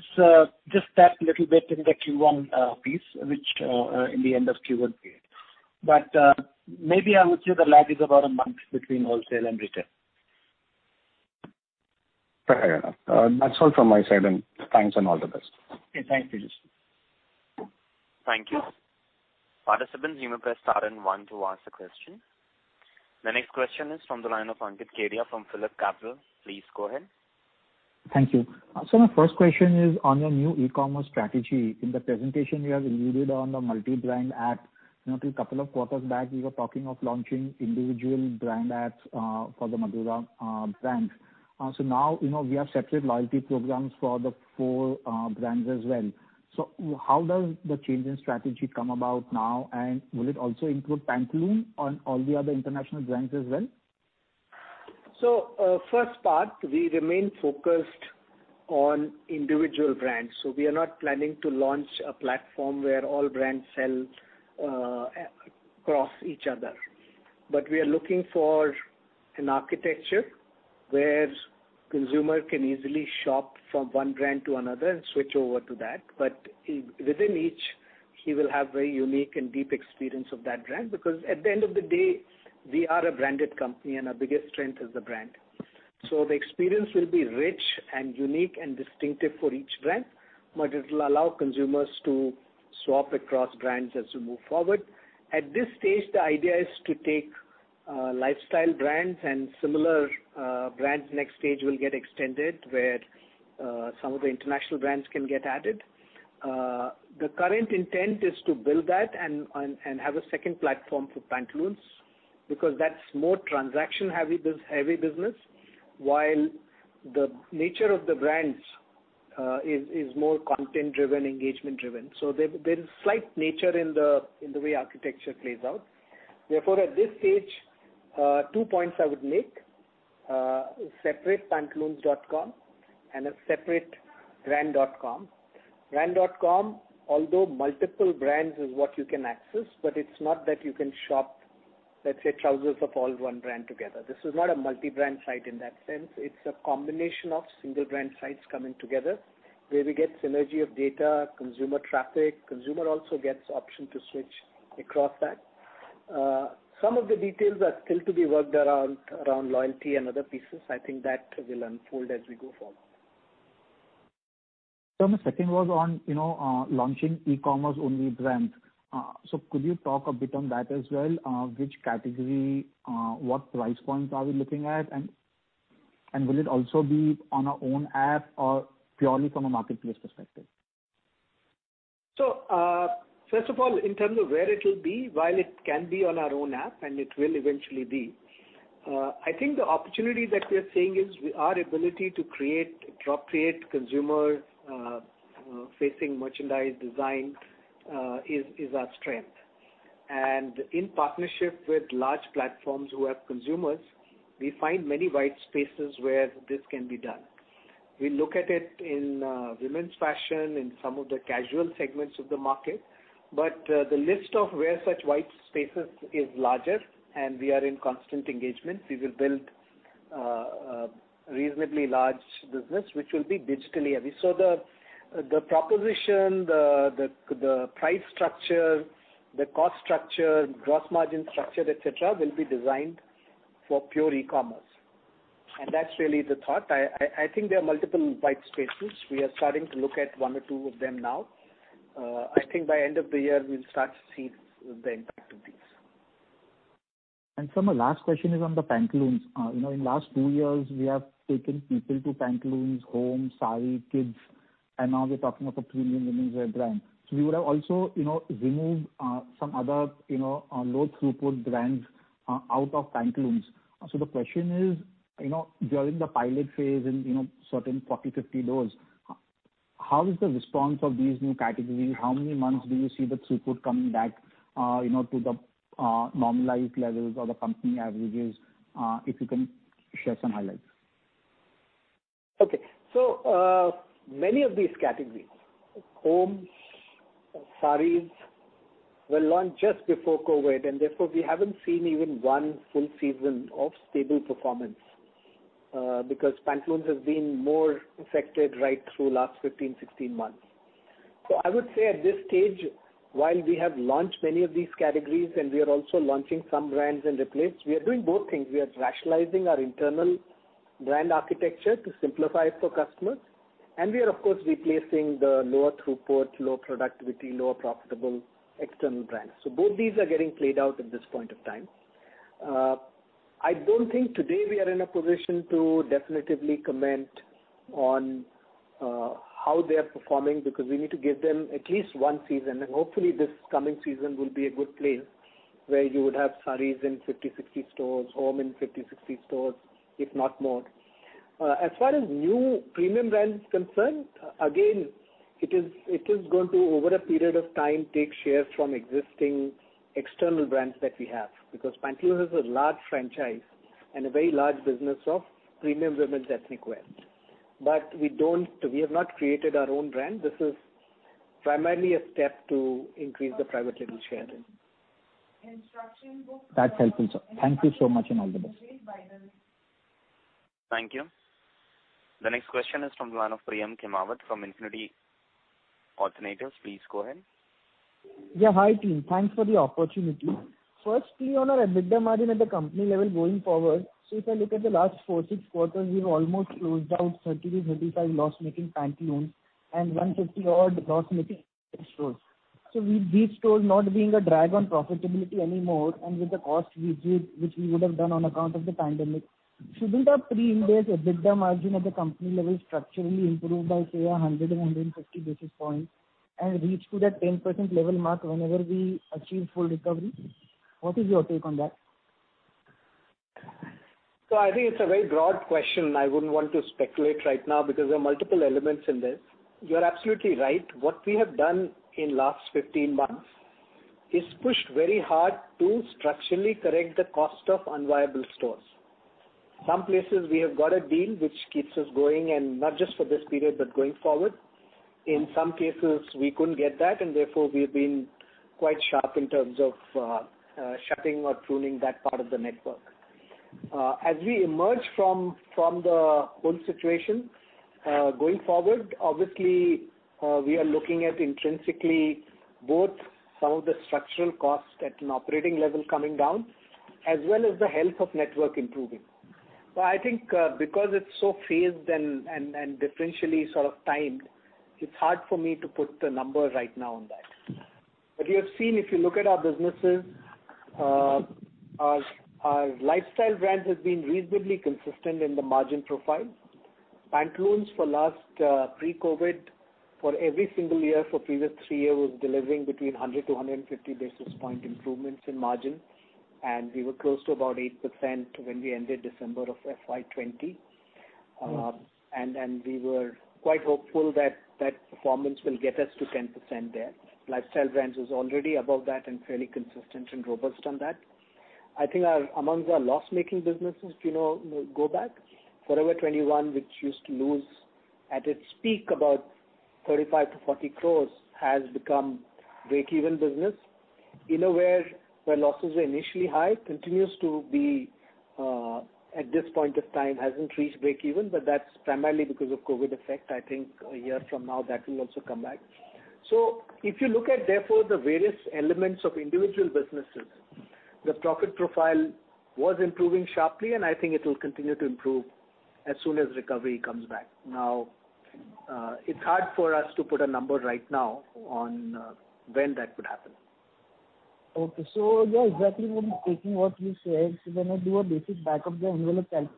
just that little bit in the Q1 piece, which in the end of Q1 period. Maybe I would say the lag is about a month between wholesale and retail. Fair enough. That's all from my side, and thanks, and all the best. Okay, thank you, Tejas. Thank you. Participants, you may press star and one to ask the question. The next question is from the line of Ankit Kedia from Phillip Capital. Please go ahead. Thank you. My first question is on your new e-commerce strategy. In the presentation, you have alluded on the multi-brand app. A couple of quarters back, you were talking of launching individual brand apps for the Madura brands. Now we have separate loyalty programs for the four brands as well. How does the change in strategy come about now, and will it also include Pantaloons on all the other international brands as well? First part, we remain focused on individual brands. We are not planning to launch a platform where all brands sell across each other. We are looking for an architecture where consumers can easily shop from one brand to another and switch over to that. Within each, he will have a very unique and deep experience of that brand, because at the end of the day, we are a branded company and our biggest strength is the brand. The experience will be rich and unique and distinctive for each brand, but it will allow consumers to swap across brands as we move forward. At this stage, the idea is to take lifestyle brands and similar brands. Next stage will get extended where some of the international brands can get added. The current intent is to build that and have a second platform for Pantaloons, because that's more transaction-heavy business. While the nature of the brands is more content driven, engagement driven. There is slight nature in the way architecture plays out. Therefore, at this stage 2 points I would make, separate pantaloons.com and a separate brand.com. Brand.com, although multiple brands is what you can access, but it's not that you can shop, let's say, trousers of all one brand together. This is not a multi-brand site in that sense. It's a combination of single brand sites coming together where we get synergy of data, consumer traffic. Consumer also gets option to switch across that. Some of the details are still to be worked around loyalty and other pieces. I think that will unfold as we go forward. Sir, my second was on launching e-commerce only brands. Could you talk a bit on that as well? Which category, what price points are we looking at, and will it also be on our own app or purely from a marketplace perspective? First of all, in terms of where it will be, while it can be on our own app, and it will eventually be, I think the opportunity that we are seeing is our ability to create appropriate consumer-facing merchandise design is our strength. In partnership with large platforms who have consumers, we find many white spaces where this can be done. We look at it in women's fashion, in some of the casual segments of the market, but the list of where such white spaces is larger, and we are in constant engagement. We will build a reasonably large business, which will be digitally heavy. The proposition, the price structure, the cost structure, gross margin structure, et cetera, will be designed for pure e-commerce. That's really the thought. I think there are multiple white spaces. We are starting to look at one or two of them now. I think by end of the year, we'll start to see the impact of these. Sir, my last question is on the Pantaloons. In the last two years, we have taken people to Pantaloons, home, saree, kids, and now we're talking of a premium women's wear brand. You would have also removed some other low throughput brands out of Pantaloons. The question is, during the pilot phase in certain 40, 50 doors, how is the response of these new categories? How many months do you see the throughput coming back to the normalized levels or the company averages? If you can share some highlights. Okay. Many of these categories, homes, sarees, were launched just before COVID, and therefore, we haven't seen even one full season of stable performance, because Pantaloons has been more affected right through last 15, 16 months. I would say at this stage, while we have launched many of these categories and we are also launching some brands in replace, we are doing both things. We are rationalizing our internal brand architecture to simplify it for customers, and we are, of course, replacing the lower throughput, low productivity, lower profitable external brands. Both these are getting played out at this point of time. I don't think today we are in a position to definitively comment on how they're performing because we need to give them at least one season, and hopefully this coming season will be a good place where you would have sarees in 50, 60 stores, home in 50, 60 stores, if not more. As far as new premium brand is concerned, again, it is going to, over a period of time, take shares from existing external brands that we have, because Pantaloons has a large franchise and a very large business of premium women's ethnic wear. We have not created our own brand. This is primarily a step to increase the private label share. That's helpful, sir. Thank you so much, and all the best. Thank you. The next question is from the line of Priyam Khimawat from Infinity Alternatives. Please go ahead. Hi, team. Thanks for the opportunity. Firstly, on our EBITDA margin at the company level going forward. If I look at the last four, six quarters, we've almost closed out 30-35 loss-making Pantaloons and 150 odd loss-making stores. These stores not being a drag on profitability anymore. With the cost reduce, which we would have done on account of the pandemic, shouldn't our pre-interest EBITDA margin at the company level structurally improve by, say, 100-150 basis points and reach to that 10% level mark whenever we achieve full recovery? What is your take on that? I think it's a very broad question. I wouldn't want to speculate right now because there are multiple elements in this. You're absolutely right. What we have done in last 15 months is pushed very hard to structurally correct the cost of unviable stores. Some places we have got a deal which keeps us going, and not just for this period, but going forward. In some cases, we couldn't get that, and therefore, we've been quite sharp in terms of shutting or pruning that part of the network. As we emerge from the whole situation, going forward, obviously, we are looking at intrinsically both some of the structural costs at an operating level coming down, as well as the health of network improving. I think, because it's so phased and differentially sort of timed, it's hard for me to put the number right now on that. You have seen, if you look at our businesses, our Lifestyle brands has been reasonably consistent in the margin profile. Pantaloons for last pre-COVID, for every single year for previous three year was delivering between 100-150 basis point improvements in margin, and we were close to about 8% when we ended December of FY20. We were quite hopeful that that performance will get us to 10% there. Lifestyle brands is already above that and fairly consistent and robust on that. I think amongst our loss-making businesses, if you go back, Forever 21, which used to lose at its peak about 35-40 crores, has become breakeven business. Innerwear, where losses were initially high, continues to be at this point of time, hasn't reached breakeven, but that's primarily because of COVID effect. I think a year from now, that will also come back. If you look at, therefore, the various elements of individual businesses, the profit profile was improving sharply, and I think it will continue to improve as soon as recovery comes back. It's hard for us to put a number right now on when that could happen. Okay. Yeah, exactly what I'm taking what you said. When I do a basic back of the envelope calc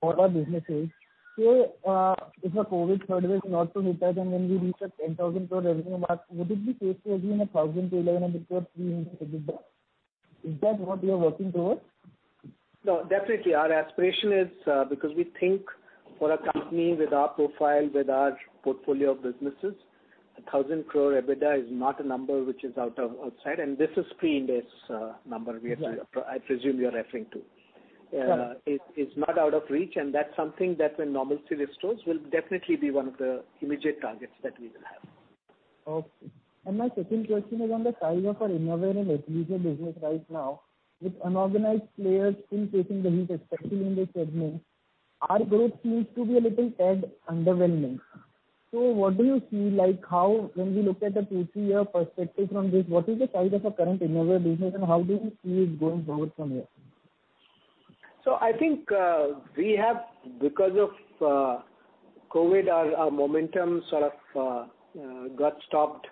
for our businesses. If a COVID third wave not to return, when we reach a 10,000 crore revenue mark, would it be safe to assume 1,000 crore-1,100 crore pre-interest EBITDA? Is that what we are working towards? Definitely. Our aspiration is, because we think for a company with our profile, with our portfolio of businesses, 1,000 crore EBITDA is not a number which is outside, and this is pre-interest number I presume you're referring to. Sure. It's not out of reach. That's something that when normalcy restores, will definitely be one of the immediate targets that we will have. Okay. My second question is on the size of our innerwear and athleisure business right now, with unorganized players still facing the heat, especially in this segment. Our growth seems to be a little tad underwhelming. What do you see? When we look at a two, three-year perspective from this, what is the size of our current innerwear business, and how do you see it going forward from here? I think, because of COVID, our momentum sort of got stopped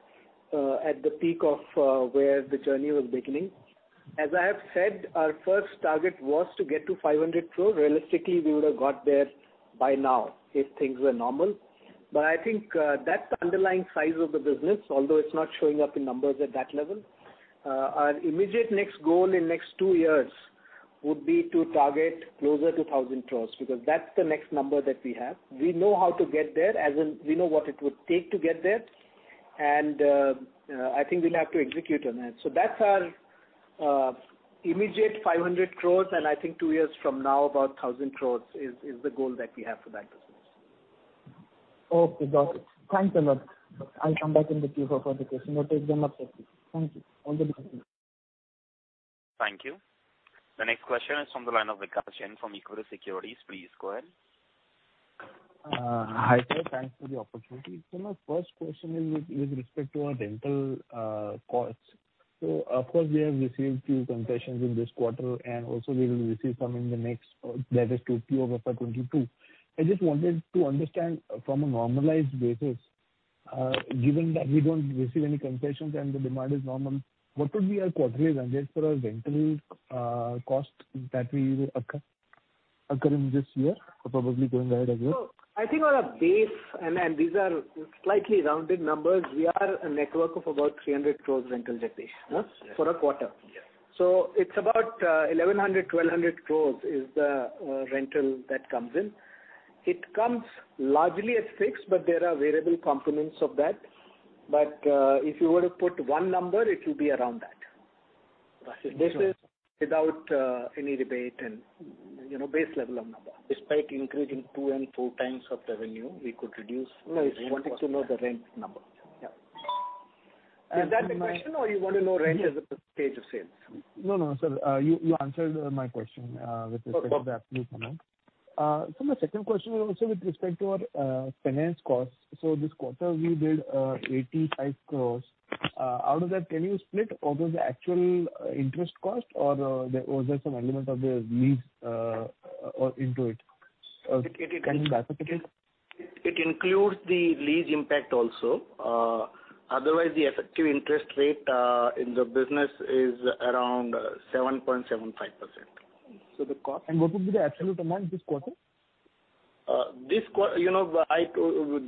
at the peak of where the journey was beginning. As I have said, our first target was to get to 500 crore. Realistically, we would have got there by now if things were normal. I think that underlying size of the business, although it's not showing up in numbers at that level, our immediate next goal in next two years would be to target closer to 1,000 crore, because that's the next number that we have. We know how to get there, as in, we know what it would take to get there, and I think we'll have to execute on that. That's our immediate 500 crore, and I think two years from now, about 1,000 crore is the goal that we have for that business. Okay, got it. Thanks a lot. I'll come back in the queue for the question or take them up separately. Thank you. All the best. Thank you. The next question is from the line of Vikas Jain from Equirus Securities. Please go ahead. Hi, sir. Thanks for the opportunity. My first question is with respect to our rental costs. Of course, we have received few concessions in this quarter, and also we will receive some in the next, that is Q of FY 2022. I just wanted to understand from a normalized basis, given that we don't receive any concessions and the demand is normal, what would be our quarterly run rate for our rental cost that will occur in this year or probably going ahead as well? I think on a base, and these are slightly rounded numbers, we are a network of about 300 crores rental that pays, yes, for a quarter. Yes. It's about 1,100 crore-1,200 crore is the rental that comes in. It comes largely as fixed, but there are variable components of that. If you were to put one number, it will be around that. Got it. This is without any rebate and base level of number. Despite increasing 2x to 4x of revenue, we could reduce. No, just wanted to know the rent number. Yeah. Is that the question or you want to know rent [percentage] sales? No, sir. You answered my question with respect to the absolute amount. Okay. Sir, my second question was also with respect to our finance costs. This quarter, we did 85 crores. Out of that, can you split, are those the actual interest cost or was there some element of the lease into it? Can you clarify, please? It includes the lease impact also. Otherwise, the effective interest rate in the business is around 7.75%. What would be the absolute amount this quarter? This quarter, I have to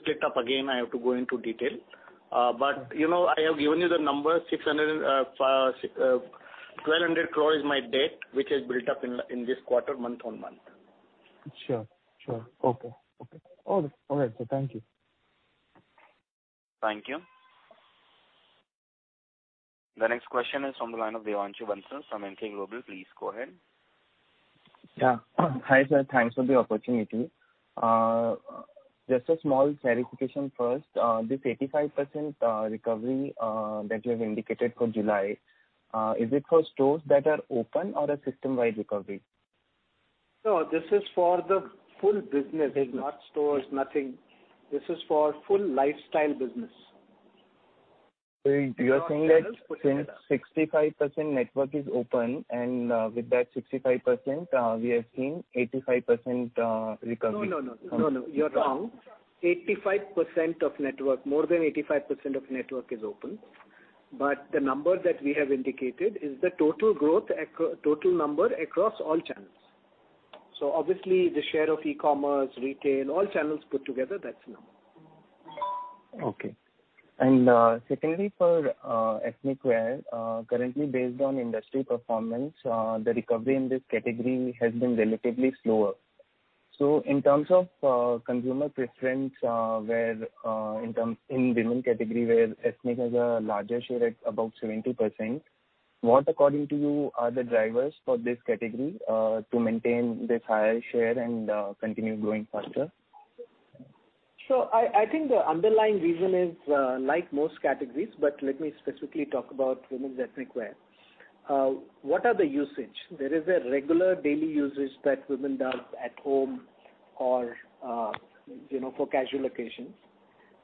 split up again. I have to go into detail. I have given you the number, 1,200 crore is my debt, which has built up in this quarter, month-on-month. Sure. Okay. All right, sir. Thank you. Thank you. The next question is from the line of Devanshu Bansal from Emkay Global. Please go ahead. Yeah. Hi, sir. Thanks for the opportunity. Just a small clarification first. This 85% recovery that you have indicated for July, is it for stores that are open or a system-wide recovery? No, this is for the full business. Business. Not stores, nothing. This is for full Lifestyle Business. You are saying that since 65% network is open, and with that 65%, we are seeing 85% recovery? No. You're wrong. More than 85% of network is open. The number that we have indicated is the total number across all channels. Obviously, the share of e-commerce, retail, all channels put together, that's the number. Okay. Secondly, for ethnic wear, currently based on industry performance, the recovery in this category has been relatively slower. In terms of consumer preference, in women category, where ethnic has a larger share at about 70%, what according to you are the drivers for this category to maintain this higher share and continue growing faster? I think the underlying reason is like most categories, but let me specifically talk about women's ethnic wear. What are the usage? There is a regular daily usage that women does at home or for casual occasions.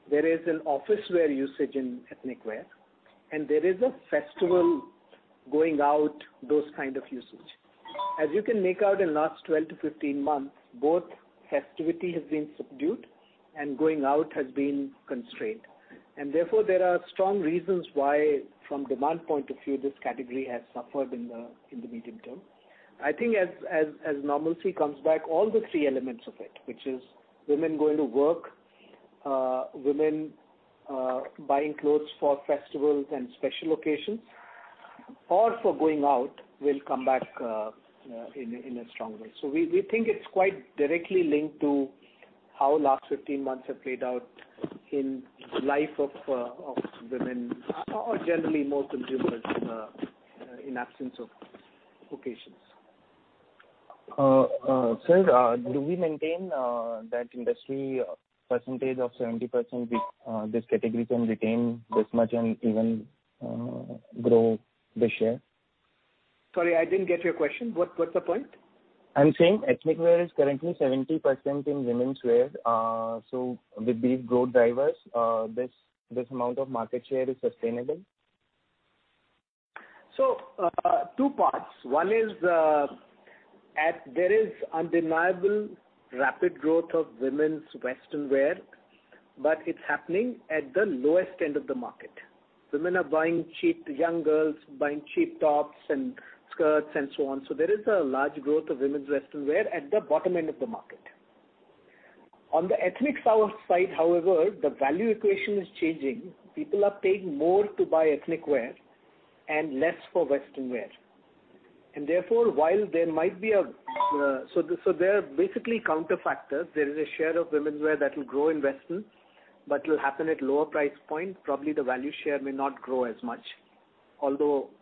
There is an office wear usage in ethnic wear, there is a festival going out, those kind of usage. As you can make out in last 12-15 months, both festivity has been subdued and going out has been constrained. Therefore, there are strong reasons why, from demand point of view, this category has suffered in the medium term. I think as normalcy comes back, all the three elements of it, which is women going to work, women buying clothes for festivals and special occasions or for going out, will come back in a strong way. We think it's quite directly linked to how last 15 months have played out in life of women or generally most consumers in absence of occasions. Sir, do we maintain that industry percentage of 70% this category can retain this much and even grow the share? Sorry, I didn't get your question. What's the point? I'm saying ethnic wear is currently 70% in women's wear, so with these growth drivers, this amount of market share is sustainable? Two parts. One is, there is undeniable rapid growth of women's Western wear, but it's happening at the lowest end of the market. Women are buying cheap, young girls buying cheap tops and skirts and so on. There is a large growth of women's Western wear at the bottom end of the market. On the ethnic side, however, the value equation is changing. People are paying more to buy ethnic wear and less for Western wear. Therefore, they're basically counter factors. There is a share of women's wear that will grow in Western, but will happen at lower price point. Probably the value share may not grow as much.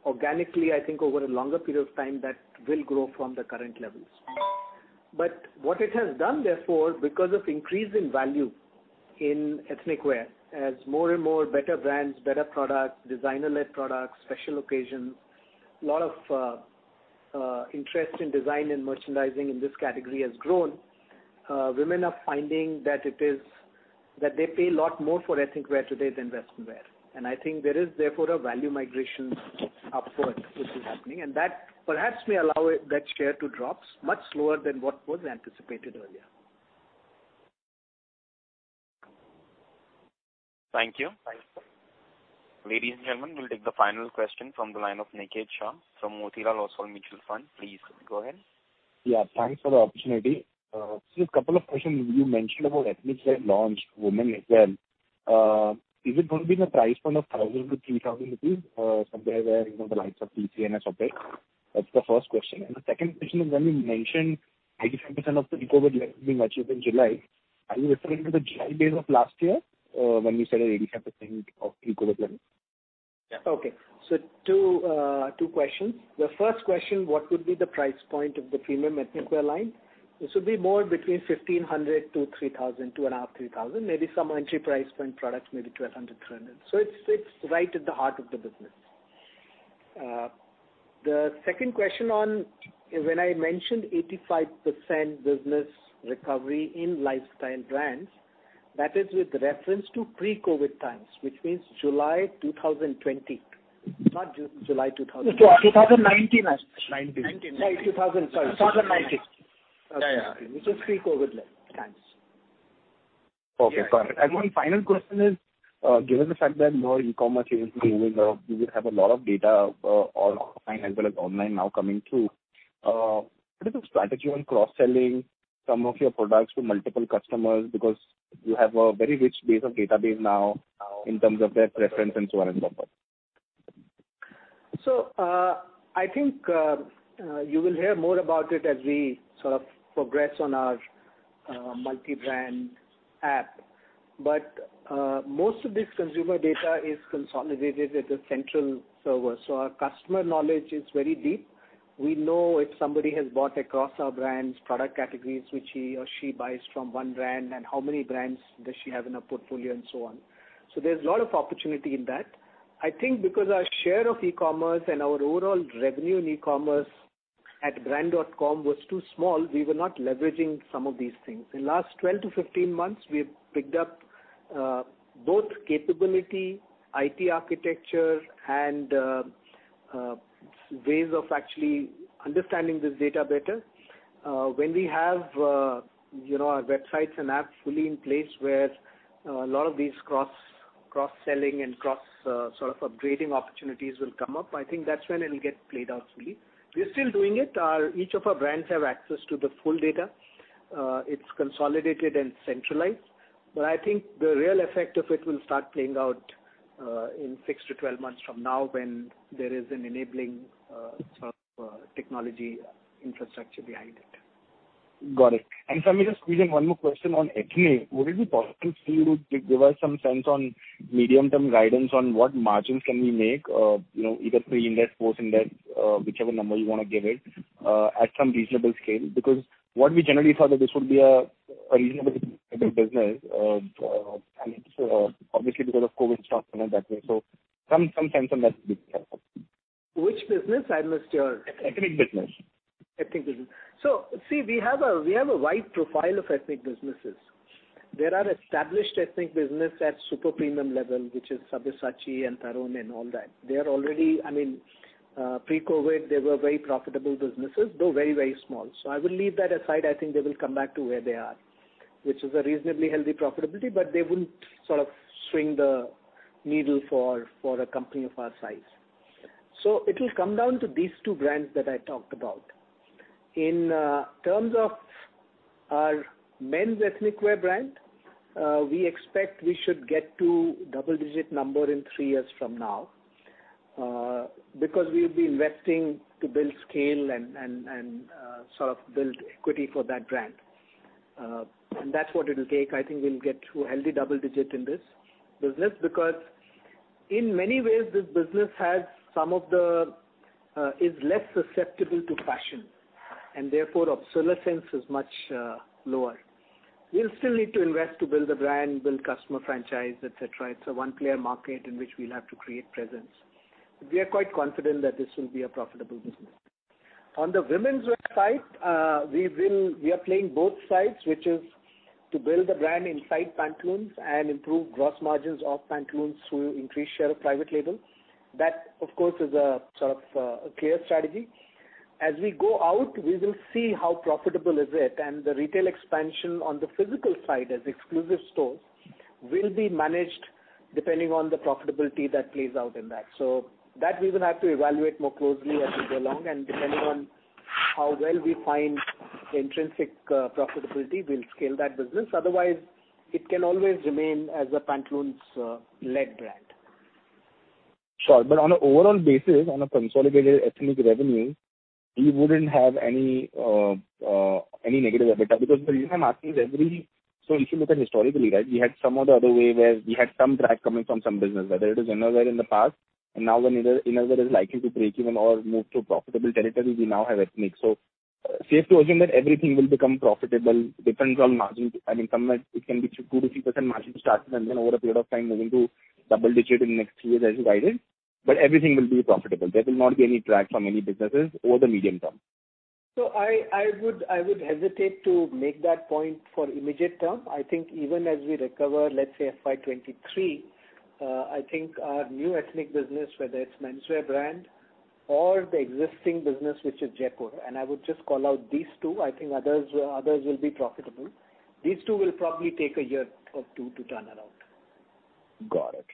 Organically, I think over a longer period of time, that will grow from the current levels. What it has done, therefore, because of increase in value in ethnic wear, as more and more better brands, better products, designer-led products, special occasions, lot of interest in design and merchandising in this category has grown. Women are finding that they pay a lot more for ethnic wear today than Western wear. I think there is therefore a value migration upwards, which is happening. That perhaps may allow that share to drop much slower than what was anticipated earlier. Thank you. Thanks. Ladies and gentlemen, we'll take the final question from the line of Niket Shah from Motilal Oswal Mutual Fund. Please go ahead. Thanks for the opportunity. Just couple of questions. You mentioned about ethnic wear launch, women wear. Is it going to be in a price point of 1,000-3,000 rupees, somewhere where the likes of TCNS and SOPEX? That's the first question. The second question is, when you mentioned 85% of the pre-COVID levels being achieved in July, are you referring to the July base of last year when you said 85% of pre-COVID levels? Okay. Two questions. The first question, what would be the price point of the female ethnic wear line? This would be more between 1,500-3,000, 2.5, 3,000. Maybe some entry price point products, maybe 1,200, 1,300. It's right at the heart of the business. The second question on when I mentioned 85% business recovery in lifestyle brands, that is with reference to pre-COVID times, which means July 2020, not July 2021. 2019, I suppose. 2019. 2019. Sorry, 2019. Yeah. Which is pre-COVID times. Okay, perfect. One final question is, given the fact that more e-commerce is moving up, you would have a lot of data offline as well as online now coming through. What is the strategy on cross-selling some of your products to multiple customers? You have a very rich base of database now in terms of their preference and so on and so forth. I think you will hear more about it as we sort of progress on our multi-brand app. Most of this consumer data is consolidated at the central server. Our customer knowledge is very deep. We know if somebody has bought across our brands, product categories which he or she buys from one brand and how many brands does she have in her portfolio and so on. There's a lot of opportunity in that. I think because our share of e-commerce and our overall revenue in e-commerce at brand.com was too small, we were not leveraging some of these things. In last 12-15 months, we've picked up both capability, IT architecture, and ways of actually understanding this data better. When we have our websites and apps fully in place where a lot of these cross-selling and cross sort of upgrading opportunities will come up, I think that's when it'll get played out fully. We're still doing it. Each of our brands have access to the full data. It's consolidated and centralized, but I think the real effect of it will start playing out in 6 to 12 months from now when there is an enabling sort of technology infrastructure behind it. Got it. If I may just squeeze in one more question on ethnic. Would it be possible for you to give us some sense on medium-term guidance on what margins can we make, either pre-Ind AS, post-Ind AS, whichever number you want to give it, at some reasonable scale? What we generally thought that this would be a reasonable business, and obviously because of COVID stopping and that way. Some sense on that would be helpful. Which business? Ethnic business. Ethnic business. See, we have a wide profile of ethnic businesses. There are established ethnic business at super premium level, which is Sabyasachi and Tarun and all that. Pre-COVID, they were very profitable businesses, though very small. I will leave that aside. I think they will come back to where they are, which is a reasonably healthy profitability, but they wouldn't sort of swing the needle for a company of our size. It will come down to these two brands that I talked about. In terms of our men's ethnic wear brand, we expect we should get to double-digit number in three years from now, because we'll be investing to build scale and sort of build equity for that brand. That's what it'll take. I think we'll get to a healthy double-digit in this business because in many ways, this business is less susceptible to fashion, and therefore obsolescence is much lower. We'll still need to invest to build the brand, build customer franchise, et cetera. It's a one-player market in which we'll have to create presence. We are quite confident that this will be a profitable business. On the women's wear side, we are playing both sides, which is to build the brand inside Pantaloons and improve gross margins of Pantaloons through increased share of private label. That, of course, is a sort of clear strategy. As we go out, we will see how profitable is it, and the retail expansion on the physical side as exclusive stores will be managed depending on the profitability that plays out in that. That we will have to evaluate more closely as we go along, and depending on how well we find the intrinsic profitability, we'll scale that business. Otherwise, it can always remain as a Pantaloons led brand. Sure. On an overall basis, on a consolidated ethnic revenue, we wouldn't have any negative EBITDA, because the reason I'm asking is, if you look at historically, right, we had some or the other way where we had some drag coming from some business, whether it is innerwear in the past, and now when innerwear is likely to break even or move to profitable territory, we now have ethnic. Safe to assume that everything will become profitable, depends on margins. I mean, it can be 2%-3% margin to start with and then over a period of time moving to double-digit in next three years as you guided. Everything will be profitable. There will not be any drag from any businesses over the medium term. I would hesitate to make that point for immediate term. I think even as we recover, let's say FY 2023, I think our new ethnic business, whether it's menswear brand or the existing business, which is Jaypore, and I would just call out these two, I think others will be profitable. These two will probably take a year or 2 to turn around. Got it.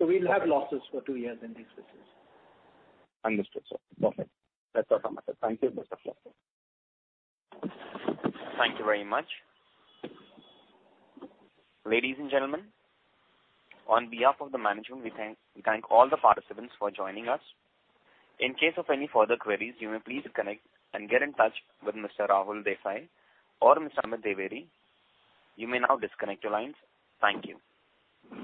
We'll have losses for two years in these businesses. Understood, sir. Perfect. That's all from my side. Thank you. Thank you very much. Ladies and gentlemen, on behalf of the management, we thank all the participants for joining us. In case of any further queries, you may please connect and get in touch with Mr. Rahul Desai or Mr. Amit Dwivedi. You may now disconnect your lines. Thank you.